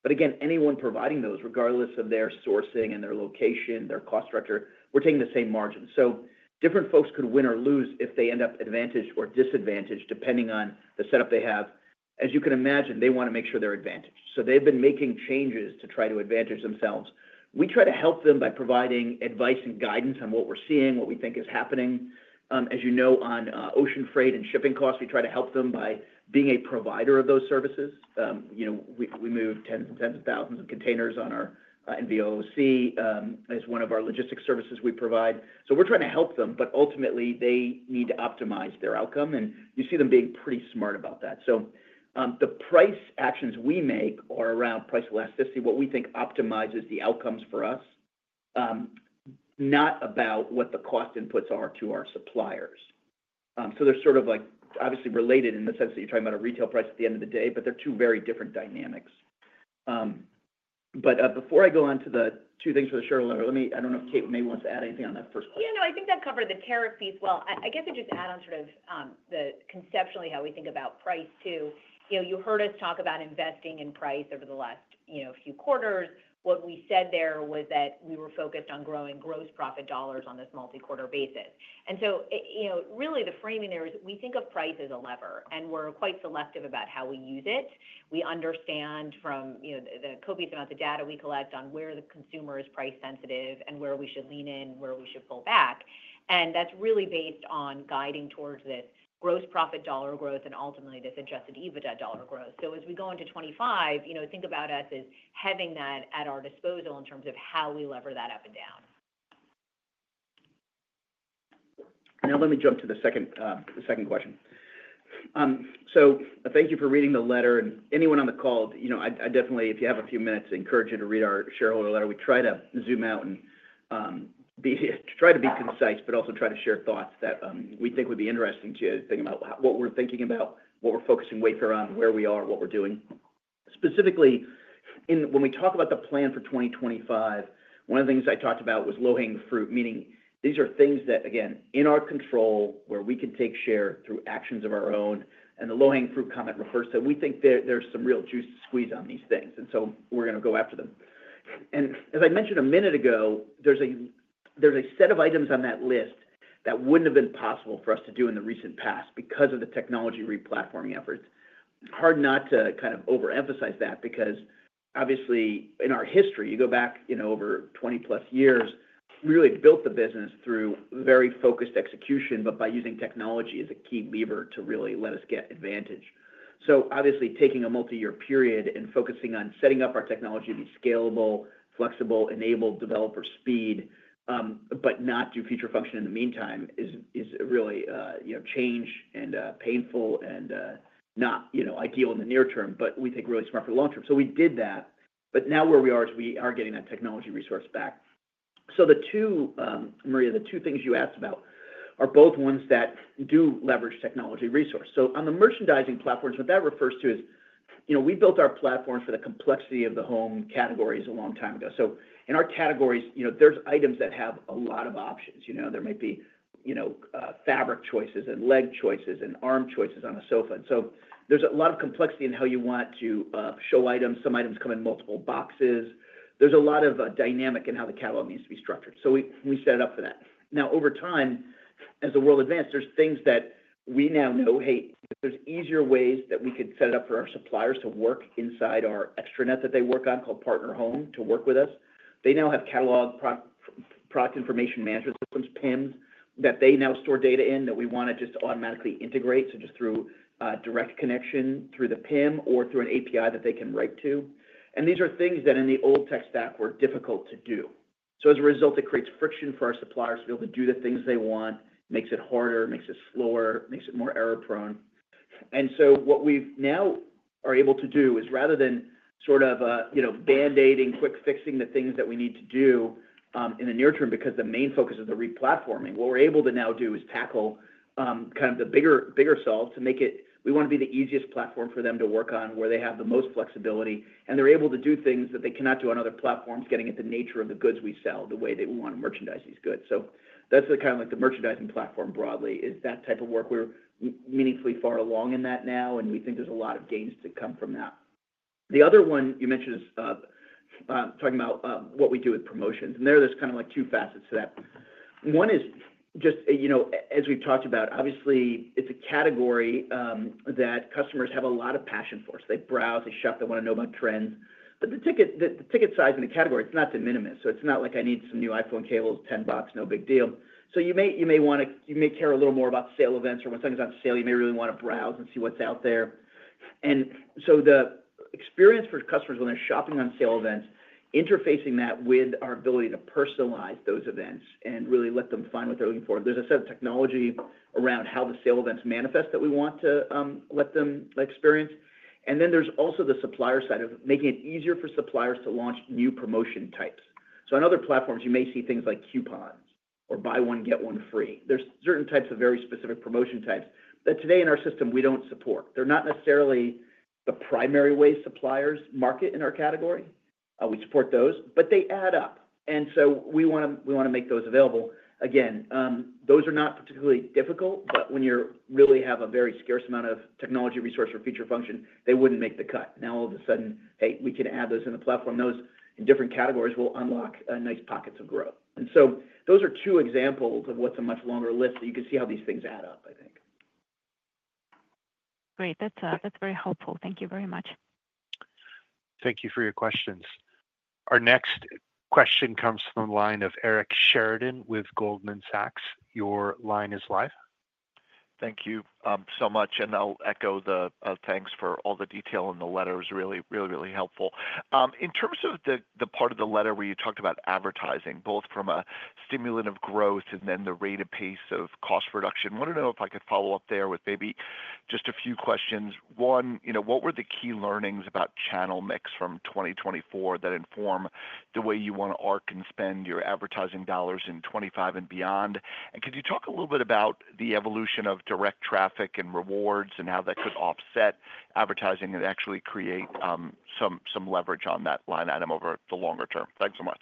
take. But again, anyone providing those, regardless of their sourcing and their location, their cost structure, we're taking the same margin. So different folks could win or lose if they end up advantaged or disadvantaged depending on the setup they have. As you can imagine, they want to make sure they're advantaged. So they've been making changes to try to advantage themselves. We try to help them by providing advice and guidance on what we're seeing, what we think is happening. As you know, on ocean freight and shipping costs, we try to help them by being a provider of those services. We move tens and tens of thousands of containers on our NVOCC as one of our logistics services we provide. So we're trying to help them, but ultimately, they need to optimize their outcome, and you see them being pretty smart about that. So the price actions we make are around price elasticity, what we think optimizes the outcomes for us, not about what the cost inputs are to our suppliers. So they're sort of obviously related in the sense that you're talking about a retail price at the end of the day, but they're two very different dynamics. But before I go on to the two things for the shareholder, I don't know if Kate may want to add anything on that first question. Yeah. No, I think that covered the tariff piece well. I guess I'd just add on sort of conceptually how we think about price too. You heard us talk about investing in price over the last few quarters. What we said there was that we were focused on growing gross profit dollars on this multi-quarter basis. And so really the framing there is we think of price as a lever, and we're quite selective about how we use it. We understand from the copious amount of data we collect on where the consumer is price sensitive and where we should lean in, where we should pull back. And that's really based on guiding towards this gross profit dollar growth and ultimately this Adjusted EBITDA dollar growth. So as we go into 2025, think about us as having that at our disposal in terms of how we lever that up and down. Now, let me jump to the second question. So thank you for reading the letter. And anyone on the call, I definitely, if you have a few minutes, encourage you to read our shareholder letter. We try to zoom out and try to be concise, but also try to share thoughts that we think would be interesting to think about what we're thinking about, what we're focusing weight on, where we are, what we're doing. Specifically, when we talk about the plan for 2025, one of the things I talked about was low-hanging fruit, meaning these are things that, again, in our control where we can take share through actions of our own. And the low-hanging fruit comment refers to we think there's some real juice to squeeze on these things, and so we're going to go after them. And as I mentioned a minute ago, there's a set of items on that list that wouldn't have been possible for us to do in the recent past because of the technology replatforming efforts. hard not to kind of overemphasize that because obviously, in our history, you go back over 20+ years, we really built the business through very focused execution, but by using technology as a key lever to really let us get advantage. So obviously, taking a multi-year period and focusing on setting up our technology to be scalable, flexible, enable developer speed, but not do feature function in the meantime is really a change and painful and not ideal in the near term, but we think really smart for the long term. So we did that, but now where we are is we are getting that technology resource back. So Maria, the two things you asked about are both ones that do leverage technology resource. So on the merchandising platforms, what that refers to is we built our platforms for the complexity of the home categories a long time ago. So in our categories, there's items that have a lot of options. There might be fabric choices and leg choices and arm choices on a sofa. And so there's a lot of complexity in how you want to show items. Some items come in multiple boxes. There's a lot of dynamic in how the catalog needs to be structured. So we set it up for that. Now, over time, as the world advances, there's things that we now know, hey, there's easier ways that we could set it up for our suppliers to work inside our extranet that they work on called Partner Home to work with us. They now have catalog product information management systems, PIMs, that they now store data in that we want to just automatically integrate. So just through direct connection, through the PIM, or through an API that they can write to. These are things that in the old tech stack were difficult to do. As a result, it creates friction for our suppliers to be able to do the things they want, makes it harder, makes it slower, makes it more error-prone. What we now are able to do is rather than sort of band-aiding, quick fixing the things that we need to do in the near term because the main focus is the replatforming, what we're able to now do is tackle kind of the bigger sell to make it we want to be the easiest platform for them to work on where they have the most flexibility, and they're able to do things that they cannot do on other platforms, getting at the nature of the goods we sell, the way that we want to merchandise these goods. So that's kind of like the merchandising platform broadly is that type of work. We're meaningfully far along in that now, and we think there's a lot of gains to come from that. The other one you mentioned is talking about what we do with promotions. And there are kind of like two facets to that. One is just, as we've talked about, obviously, it's a category that customers have a lot of passion for. So they browse, they shop, they want to know about trends. But the ticket size and the category, it's not de minimis. So it's not like I need some new iPhone cables, $10, no big deal. So you may care a little more about sale events, or when something's on sale, you may really want to browse and see what's out there. And so the experience for customers when they're shopping on sale events, interfacing that with our ability to personalize those events and really let them find what they're looking for. There's a set of technology around how the sale events manifest that we want to let them experience. And then there's also the supplier side of making it easier for suppliers to launch new promotion types. So on other platforms, you may see things like coupons or buy one, get one free. There's certain types of very specific promotion types that today in our system we don't support. They're not necessarily the primary way suppliers market in our category. We support those, but they add up. And so we want to make those available. Again, those are not particularly difficult, but when you really have a very scarce amount of technology resource or feature function, they wouldn't make the cut. Now, all of a sudden, hey, we can add those in the platform. Those in different categories will unlock nice pockets of growth. And so those are two examples of what's a much longer list. You can see how these things add up, I think. Great. That's very helpful. Thank you very much. Thank you for your questions. Our next question comes from the line of Eric Sheridan with Goldman Sachs. Your line is live. Thank you so much. And I'll echo the thanks for all the detail in the letter is really, really, really helpful. In terms of the part of the letter where you talked about advertising, both from a stimulant of growth and then the rate of pace of cost reduction, I want to know if I could follow-up there with maybe just a few questions. One, what were the key learnings about channel mix from 2024 that inform the way you want to arc and spend your advertising dollars in 2025 and beyond? And could you talk a little bit about the evolution of direct traffic and rewards and how that could offset advertising and actually create some leverage on that line item over the longer term? Thanks so much.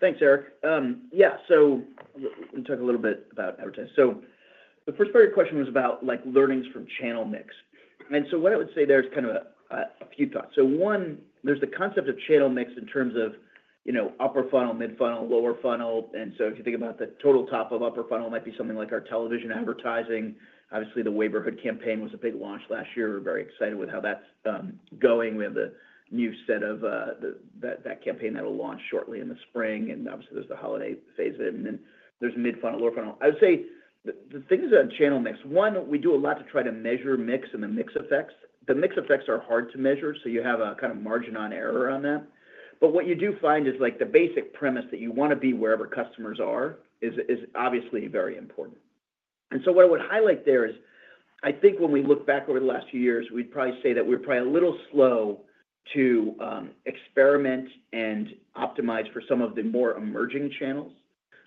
Thanks, Eric. Yeah. So let me talk a little bit about advertising. So the first part of your question was about learnings from channel mix. And so what I would say there is kind of a few thoughts. So one, there's the concept of channel mix in terms of upper funnel, mid-funnel, lower funnel. And so if you think about the total top of upper funnel, it might be something like our television advertising. Obviously, the Wayborhood campaign was a big launch last year. We're very excited with how that's going. We have the new set of that campaign that will launch shortly in the spring, and obviously, there's the holiday phase of it, and then there's mid-funnel, lower funnel. I would say the things on channel mix, one, we do a lot to try to measure mix and the mix effects. The mix effects are hard to measure, so you have a kind of margin on error on that, but what you do find is the basic premise that you want to be wherever customers are is obviously very important, and so what I would highlight there is I think when we look back over the last few years, we'd probably say that we're probably a little slow to experiment and optimize for some of the more emerging channels.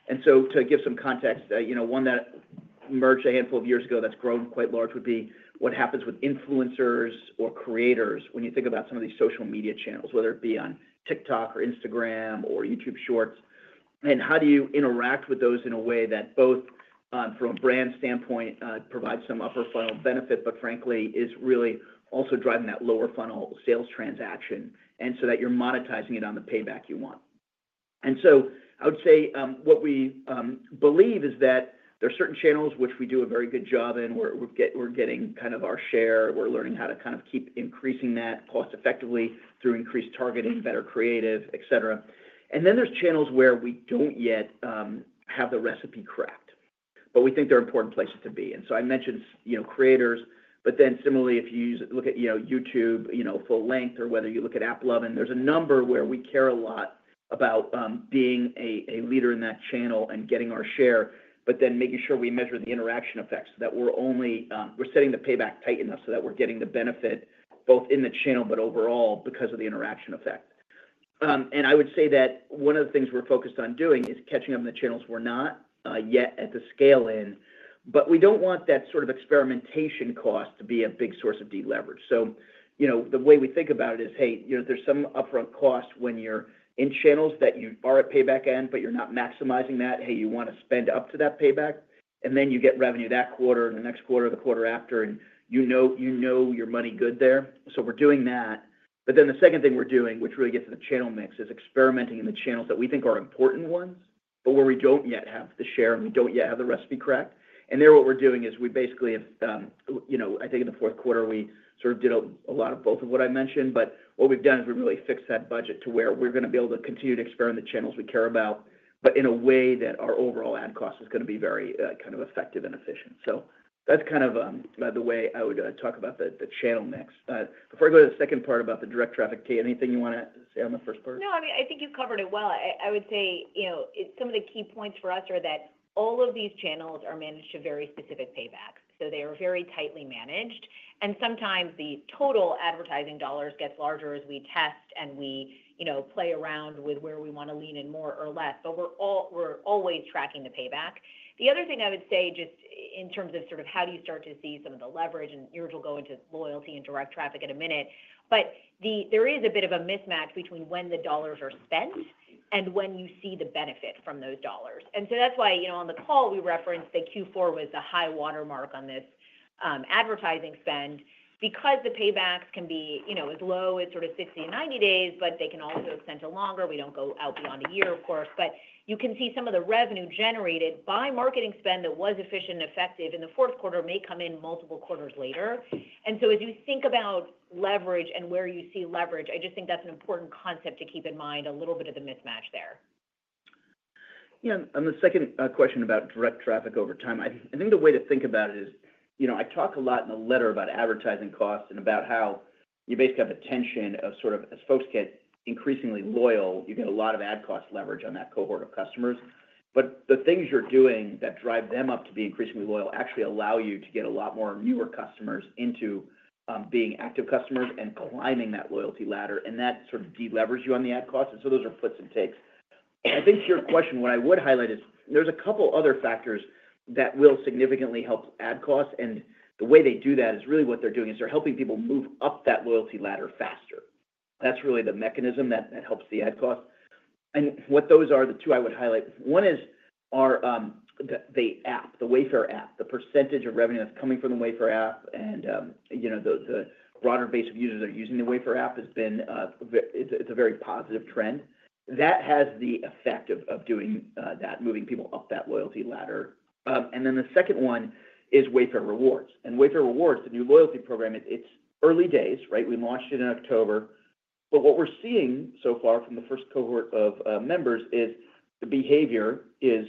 And so to give some context, one that emerged a handful of years ago that's grown quite large would be what happens with influencers or creators when you think about some of these social media channels, whether it be on TikTok or Instagram or YouTube Shorts. And how do you interact with those in a way that both from a brand standpoint provides some upper funnel benefit, but frankly, is really also driving that lower funnel sales transaction and so that you're monetizing it on the payback you want? And so I would say what we believe is that there are certain channels which we do a very good job in where we're getting kind of our share. We're learning how to kind of keep increasing that cost effectively through increased targeting, better creative, et cetera. And then there's channels where we don't yet have the recipe cracked, but we think they're important places to be. And so I mentioned creators, but then similarly, if you look at YouTube full length or whether you look at AppLovin, there's a number where we care a lot about being a leader in that channel and getting our share, but then making sure we measure the interaction effects so that we're setting the payback tight enough so that we're getting the benefit both in the channel, but overall because of the interaction effect. And I would say that one of the things we're focused on doing is catching up in the channels we're not yet at the scale in, but we don't want that sort of experimentation cost to be a big source of deleverage. So the way we think about it is, hey, there's some upfront cost when you're in channels that you are at payback end, but you're not maximizing that. Hey, you want to spend up to that payback, and then you get revenue that quarter and the next quarter, the quarter after, and you know your money good there. So we're doing that. But then the second thing we're doing, which really gets to the channel mix, is experimenting in the channels that we think are important ones, but where we don't yet have the share and we don't yet have the recipe cracked. And there, what we're doing is we basically, I think in the fourth quarter, we sort of did a lot of both of what I mentioned, but what we've done is we really fixed that budget to where we're going to be able to continue to experiment the channels we care about, but in a way that our overall ad cost is going to be very kind of effective and efficient. So that's kind of the way I would talk about the channel mix. Before I go to the second part about the direct traffic, Kate, anything you want to say on the first part? No, I mean, I think you've covered it well. I would say some of the key points for us are that all of these channels are managed to very specific paybacks. So they are very tightly managed. And sometimes the total advertising dollars gets larger as we test and we play around with where we want to lean in more or less, but we're always tracking the payback. The other thing I would say just in terms of sort of how do you start to see some of the leverage, and you're going to go into loyalty and direct traffic in a minute, but there is a bit of a mismatch between when the dollars are spent and when you see the benefit from those dollars. And so that's why on the call we referenced that Q4 was the high watermark on this advertising spend because the paybacks can be as low as sort of 60 and 90 days, but they can also extend to longer. We don't go out beyond a year, of course, but you can see some of the revenue generated by marketing spend that was efficient and effective in the fourth quarter may come in multiple quarters later, and so as you think about leverage and where you see leverage, I just think that's an important concept to keep in mind, a little bit of the mismatch there. Yeah. On the second question about direct traffic over time, I think the way to think about it is I talk a lot in the letter about advertising costs and about how you basically have a tension of sort of as folks get increasingly loyal, you get a lot of ad cost leverage on that cohort of customers. But the things you're doing that drive them up to be increasingly loyal actually allow you to get a lot more newer customers into being active customers and climbing that loyalty ladder, and that sort of delevers you on the ad cost. And so those are fits and takes. I think your question, what I would highlight is there's a couple of other factors that will significantly help ad costs. And the way they do that is really what they're doing is they're helping people move up that loyalty ladder faster. That's really the mechanism that helps the ad cost. And what those are, the two I would highlight, one is the app, the Wayfair app, the percentage of revenue that's coming from the Wayfair app and the broader base of users that are using the Wayfair app has been a very positive trend. That has the effect of doing that, moving people up that loyalty ladder. And then the second one is Wayfair Rewards. And Wayfair Rewards, the new loyalty program, it's early days, right? We launched it in October. But what we're seeing so far from the first cohort of members is the behavior is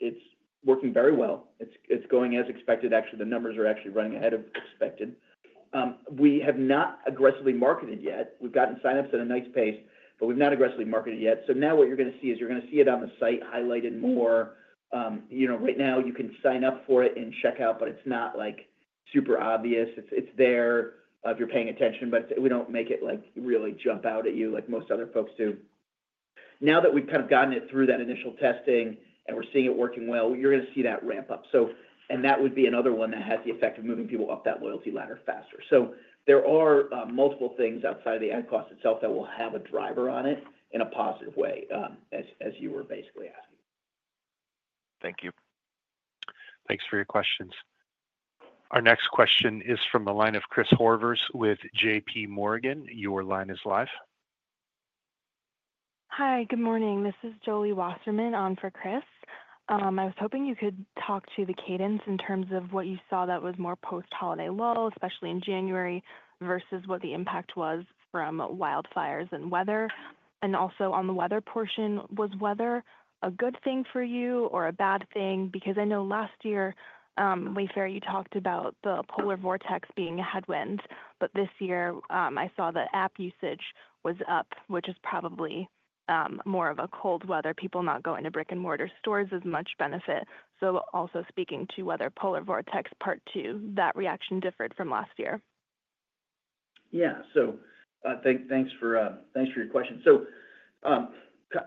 it's working very well. It's going as expected. Actually, the numbers are actually running ahead of expected. We have not aggressively marketed yet. We've gotten signups at a nice pace, but we've not aggressively marketed yet. So now what you're going to see is you're going to see it on the site highlighted more. Right now, you can sign up for it and check out, but it's not super obvious. It's there if you're paying attention, but we don't make it really jump out at you like most other folks do. Now that we've kind of gotten it through that initial testing and we're seeing it working well, you're going to see that ramp up, and that would be another one that has the effect of moving people up that loyalty ladder faster, so there are multiple things outside of the ad cost itself that will have a driver on it in a positive way, as you were basically asking. Thank you. Thanks for your questions. Our next question is from the line of Chris Horvers with J.P. Morgan. Your line is live. Hi, good morning. This is Jolie Wasserman on for Chris. I was hoping you could talk to the cadence in terms of what you saw that was more post-holiday lull, especially in January versus what the impact was from wildfires and weather. And also on the weather portion, was weather a good thing for you or a bad thing? Because I know last year, Wayfair, you talked about the polar vortex being a headwind, but this year I saw that app usage was up, which is probably more of a cold weather, people not going to brick-and-mortar stores as much benefit. So also speaking to weather polar vortex part two, that reaction differed from last year. Yeah. So thanks for your question. So a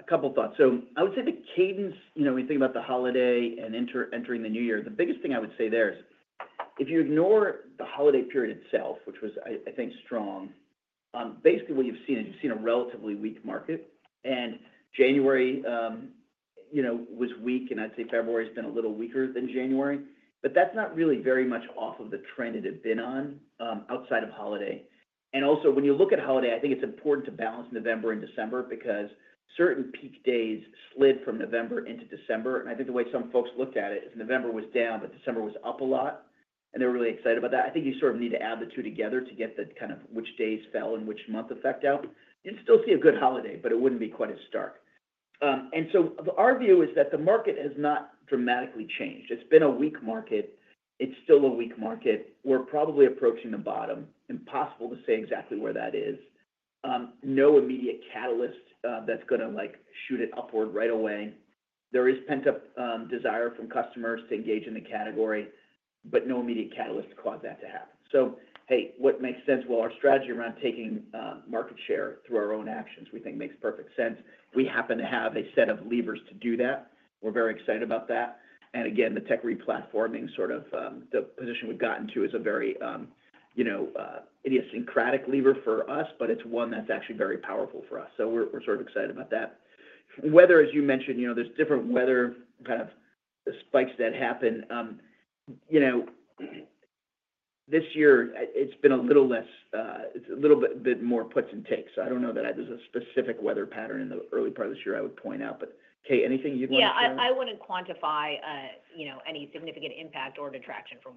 couple of thoughts. So I would say the cadence, when you think about the holiday and entering the new year, the biggest thing I would say there is if you ignore the holiday period itself, which was, I think, strong, basically what you've seen is you've seen a relatively weak market. January was weak, and I'd say February has been a little weaker than January, but that's not really very much off of the trend it had been on outside of holiday. Also, when you look at holiday, I think it's important to balance November and December because certain peak days slid from November into December. I think the way some folks looked at it is November was down, but December was up a lot, and they were really excited about that. I think you sort of need to add the two together to get the kind of which days fell in which month effect out. You can still see a good holiday, but it wouldn't be quite as stark. Our view is that the market has not dramatically changed. It's been a weak market. It's still a weak market. We're probably approaching the bottom. Impossible to say exactly where that is. No immediate catalyst that's going to shoot it upward right away. There is pent-up desire from customers to engage in the category, but no immediate catalyst to cause that to happen, so hey, what makes sense? Well, our strategy around taking market share through our own actions, we think makes perfect sense. We happen to have a set of levers to do that. We're very excited about that, and again, the tech replatforming sort of the position we've gotten to is a very idiosyncratic lever for us, but it's one that's actually very powerful for us, so we're sort of excited about that. Weather, as you mentioned, there's different weather kind of spikes that happen. This year, it's been a little less, it's a little bit more puts and takes. So, I don't know that there's a specific weather pattern in the early part of this year I would point out, but Kate, anything you'd want to add? Yeah. I wouldn't quantify any significant impact or detraction from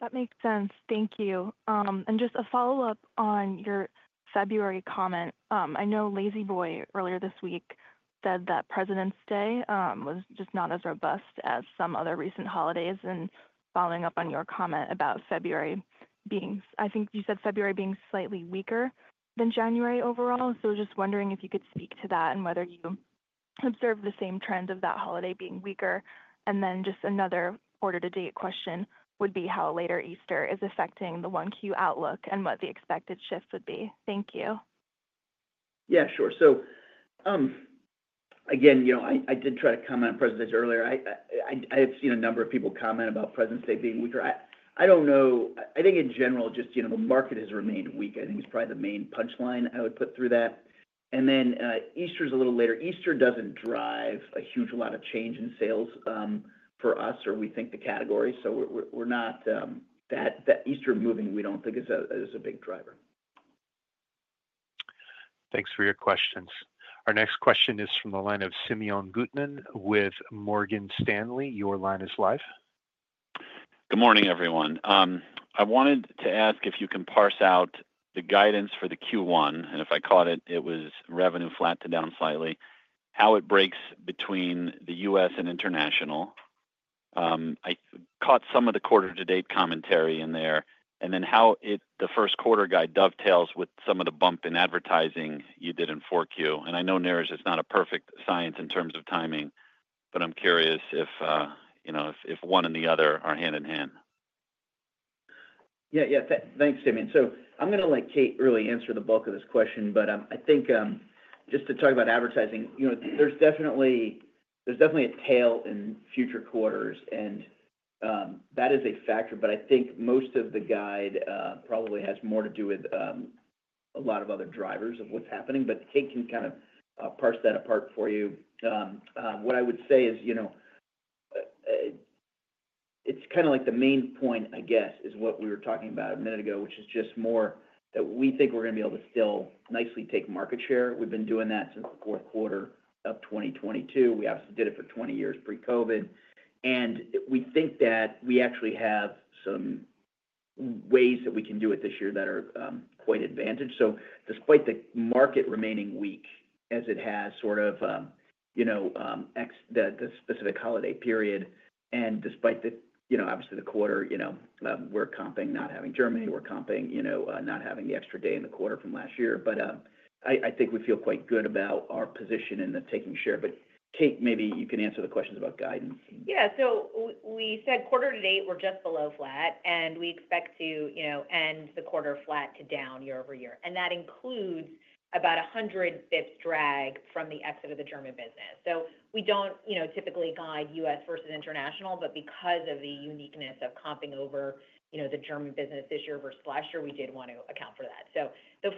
weather. It's been neutral. That makes sense. Thank you. And just a follow-up on your February comment. I know La-Z-Boy earlier this week said that President's Day was just not as robust as some other recent holidays. And following up on your comment about February being, I think you said February being slightly weaker than January overall. So just wondering if you could speak to that and whether you observe the same trend of that holiday being weaker. And then just another quarter-to-date question would be how later Easter is affecting the Q1 outlook and what the expected shift would be. Thank you. Yeah, sure. So again, I did try to comment on President's Day earlier. I had seen a number of people comment about President's Day being weaker. I don't know. I think in general, just the market has remained weak. I think it's probably the main punchline I would put through that. And then Easter is a little later. Easter doesn't drive a huge amount of change in sales for us or we think the category. So we're not that Easter moving, we don't think is a big driver. Thanks for your questions. Our next question is from the line of Simeon Gutman with Morgan Stanley. Your line is live. Good morning, everyone. I wanted to ask if you can parse out the guidance for the Q1, and if I caught it, it was revenue flat to down slightly, how it breaks between the U.S. and international? I caught some of the quarter-to-date commentary in there, and then how the first quarter guide dovetails with some of the bump in advertising you did in Q4. And I know Niraj is not a perfect science in terms of timing, but I'm curious if one and the other are hand in hand. Yeah, yeah. Thanks, Simeon. So I'm going to let Kate really answer the bulk of this question, but I think just to talk about advertising, there's definitely a tail in future quarters, and that is a factor, but I think most of the guide probably has more to do with a lot of other drivers of what's happening. But Kate can kind of parse that apart for you. What I would say is it's kind of like the main point, I guess, is what we were talking about a minute ago, which is just more that we think we're going to be able to still nicely take market share. We've been doing that since the fourth quarter of 2022. We obviously did it for 20 years pre-COVID. And we think that we actually have some ways that we can do it this year that are quite advantaged. So despite the market remaining weak as it has sort of the specific holiday period, and despite obviously the quarter, we're comping not having Germany, we're comping not having the extra day in the quarter from last year, but I think we feel quite good about our position in the taking share, but Kate, maybe you can answer the questions about guidance. Yeah. We said quarter-to-date we're just below flat, and we expect to end the quarter flat to down year-over-year. And that includes about 100 basis points drag from the exit of the German business. We don't typically guide U.S. versus international, but because of the uniqueness of comping over the German business this year versus last year, we did want to account for that. The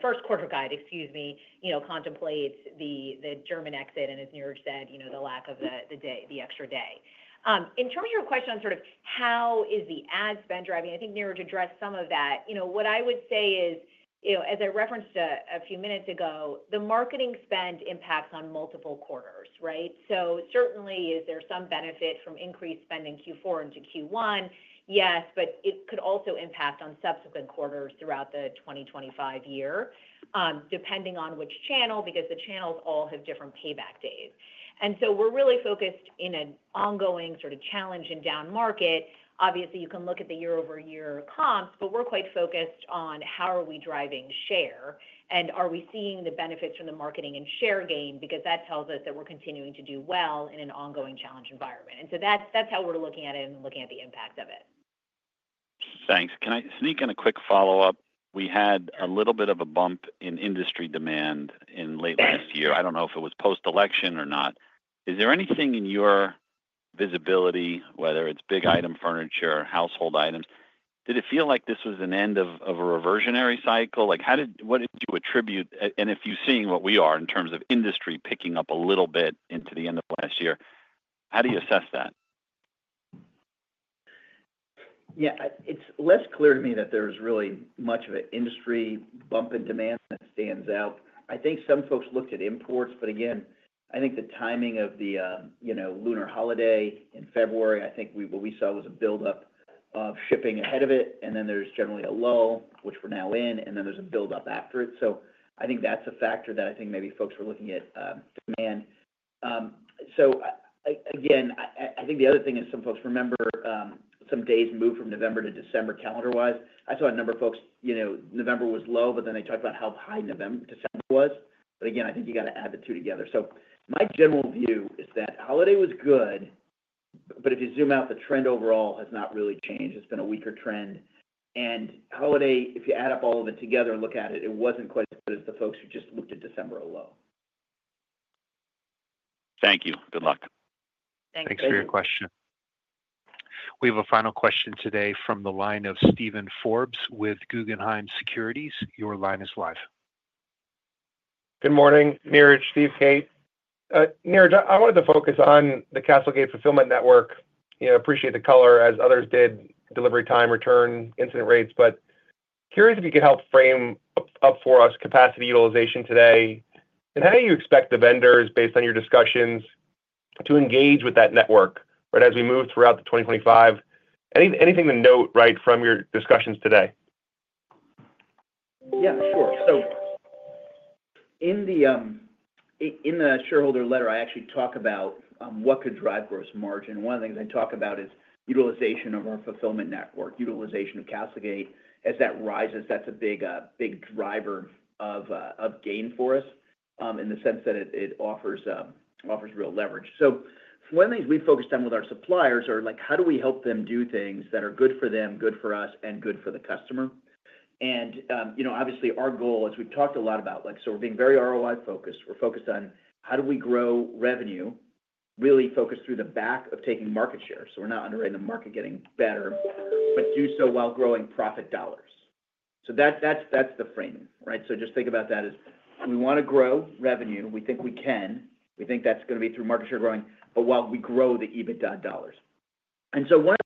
first quarter guide, excuse me, contemplates the German exit, and as Niraj said, the lack of the extra day. In terms of your question on sort of how is the ad spend driving, I think Niraj addressed some of that. What I would say is, as I referenced a few minutes ago, the marketing spend impacts on multiple quarters, right? Certainly, is there some benefit from increased spend in Q4 into Q1? Yes, but it could also impact on subsequent quarters throughout the 2025 year, depending on which channel, because the channels all have different payback days. And so we're really focused in an ongoing sort of challenge and down market. Obviously, you can look at the year-over-year comps, but we're quite focused on how are we driving share, and are we seeing the benefits from the marketing and share gain? Because that tells us that we're continuing to do well in an ongoing challenge environment. And so that's how we're looking at it and looking at the impact of it. Thanks. Can I sneak in a quick follow-up? We had a little bit of a bump in industry demand in late last year. I don't know if it was post-election or not. Is there anything in your visibility, whether it's big item furniture, household items? Did it feel like this was an end of a reversionary cycle? What did you attribute? And if you're seeing what we are in terms of industry picking up a little bit into the end of last year, how do you assess that? Yeah. It's less clear to me that there's really much of an industry bump in demand that stands out. I think some folks looked at imports, but again, I think the timing of the lunar holiday in February. I think what we saw was a buildup of shipping ahead of it. And then there's generally a lull, which we're now in, and then there's a buildup after it. So I think that's a factor that I think maybe folks were looking at demand. So again, I think the other thing is some folks remember some days moved from November to December calendar-wise. I saw a number of folks. November was low, but then they talked about how high December was, but again, I think you got to add the two together, so my general view is that holiday was good, but if you zoom out, the trend overall has not really changed. It's been a weaker trend, and holiday, if you add up all of it together and look at it, it wasn't quite as good as the folks who just looked at December alone. Thank you. Good luck. Thanks for your question. Thanks for your question. We have a final question today from the line of Steven Forbes with Guggenheim Securities. Your line is live. Good morning, Niraj, Steve, Kate. Niraj, I wanted to focus on the CastleGate fulfillment network. Appreciate the color as others did, delivery time, return, incident rates, but curious if you could help frame up for us capacity utilization today? And how do you expect the vendors, based on your discussions, to engage with that network as we move throughout 2025? Anything to note from your discussions today? Yeah, sure. So in the shareholder letter, I actually talk about what could drive gross margin. One of the things I talk about is utilization of our fulfillment network, utilization of CastleGate. As that rises, that's a big driver of gain for us in the sense that it offers real leverage. So one of the things we focused on with our suppliers are how do we help them do things that are good for them, good for us, and good for the customer? And obviously, our goal, as we've talked a lot about, so we're being very ROI-focused. We're focused on how do we grow revenue, really focused through the act of taking market share. So we're not underrating the market getting better, but do so while growing profit dollars. So that's the framing, right? So just think about that as we want to grow revenue. We think we can. We think that's going to be through market share growing, but while we grow the EBITDA dollars. And so one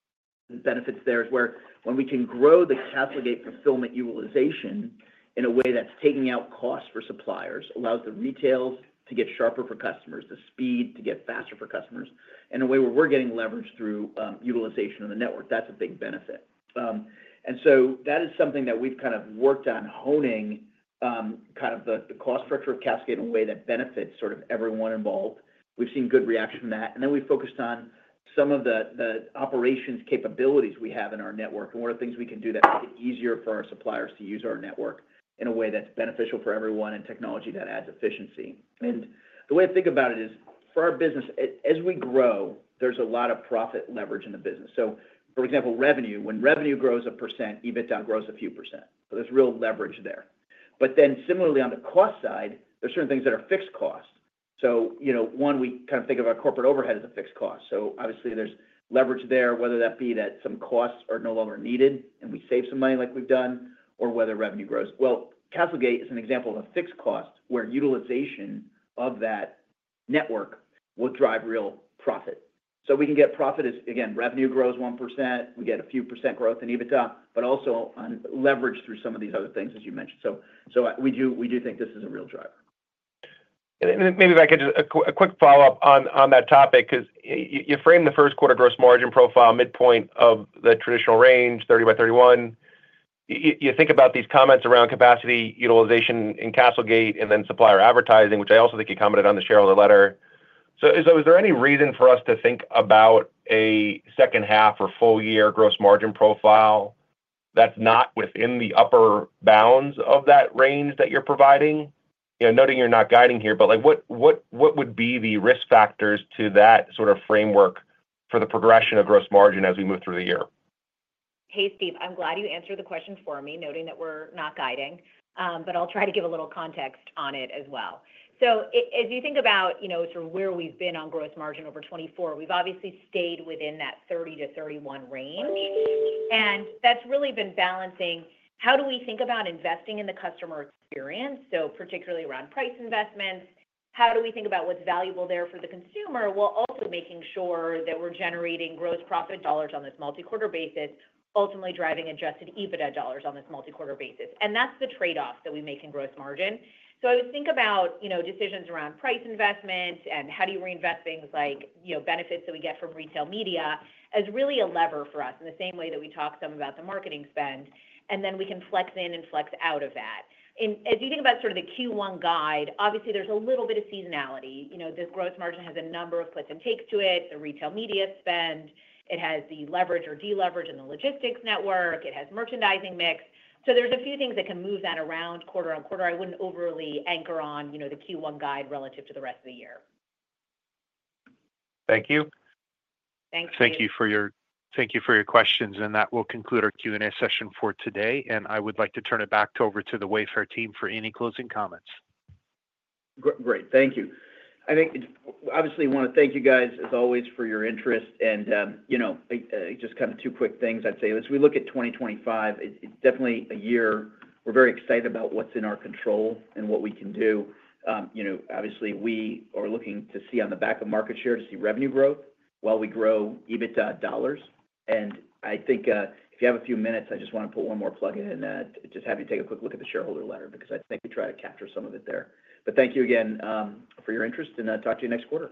of the benefits there is where when we can grow the CastleGate fulfillment utilization in a way that's taking out costs for suppliers, allows the retail to get sharper for customers, the speed to get faster for customers, in a way where we're getting leverage through utilization of the network, that's a big benefit. That is something that we've kind of worked on honing kind of the cost structure of CastleGate in a way that benefits sort of everyone involved. We've seen good reaction from that. We focused on some of the operations capabilities we have in our network and what are things we can do that make it easier for our suppliers to use our network in a way that's beneficial for everyone and technology that adds efficiency. The way I think about it is for our business, as we grow, there's a lot of profit leverage in the business. For example, revenue, when revenue grows 1%, EBITDA grows a few percent. There's real leverage there. Similarly, on the cost side, there's certain things that are fixed costs. One, we kind of think of our corporate overhead as a fixed cost. So obviously, there's leverage there, whether that be that some costs are no longer needed and we save some money like we've done, or whether revenue grows. Well, CastleGate is an example of a fixed cost where utilization of that network will drive real profit. So we can get profit as, again, revenue grows 1%, we get a few percent growth in EBITDA, but also on leverage through some of these other things, as you mentioned. So we do think this is a real driver. Maybe if I could just a quick follow-up on that topic because you framed the first quarter gross margin profile, midpoint of the traditional range, 30% by 31%. You think about these comments around capacity utilization in CastleGate and then supplier advertising, which I also think you commented on the shareholder letter. So is there any reason for us to think about a second half or full-year gross margin profile that's not within the upper bounds of that range that you're providing? Noting you're not guiding here, but what would be the risk factors to that sort of framework for the progression of gross margin as we move through the year? Hey, Steve, I'm glad you answered the question for me, noting that we're not guiding, but I'll try to give a little context on it as well. So as you think about sort of where we've been on gross margin over 2024, we've obviously stayed within that 30%-31% range. That's really been balancing how do we think about investing in the customer experience, so particularly around price investments, how do we think about what's valuable there for the consumer, while also making sure that we're generating gross profit dollars on this multi-quarter basis, ultimately driving Adjusted EBITDA dollars on this multi-quarter basis. That's the trade-off that we make in gross margin. I would think about decisions around price investment and how do you reinvest things like benefits that we get from retail media as really a lever for us in the same way that we talked some about the marketing spend, and then we can flex in and flex out of that. As you think about sort of the Q1 guide, obviously, there's a little bit of seasonality. This gross margin has a number of cliffs and takes to it. The retail media spend, it has the leverage or deleverage in the logistics network. It has merchandising mix. So there's a few things that can move that around quarter-on-quarter. I wouldn't overly anchor on the Q1 guide relative to the rest of the year. Thank you. Thank you. Thank you for your questions. And that will conclude our Q&A session for today. And I would like to turn it back over to the Wayfair team for any closing comments. Great. Thank you. I think obviously, I want to thank you guys, as always, for your interest. And just kind of two quick things I'd say. As we look at 2025, it's definitely a year we're very excited about what's in our control and what we can do. Obviously, we are looking to see on the back of market share to see revenue growth while we grow EBITDA dollars. And I think if you have a few minutes, I just want to put one more plug in and just have you take a quick look at the shareholder letter because I think we tried to capture some of it there. But thank you again for your interest, and talk to you next quarter.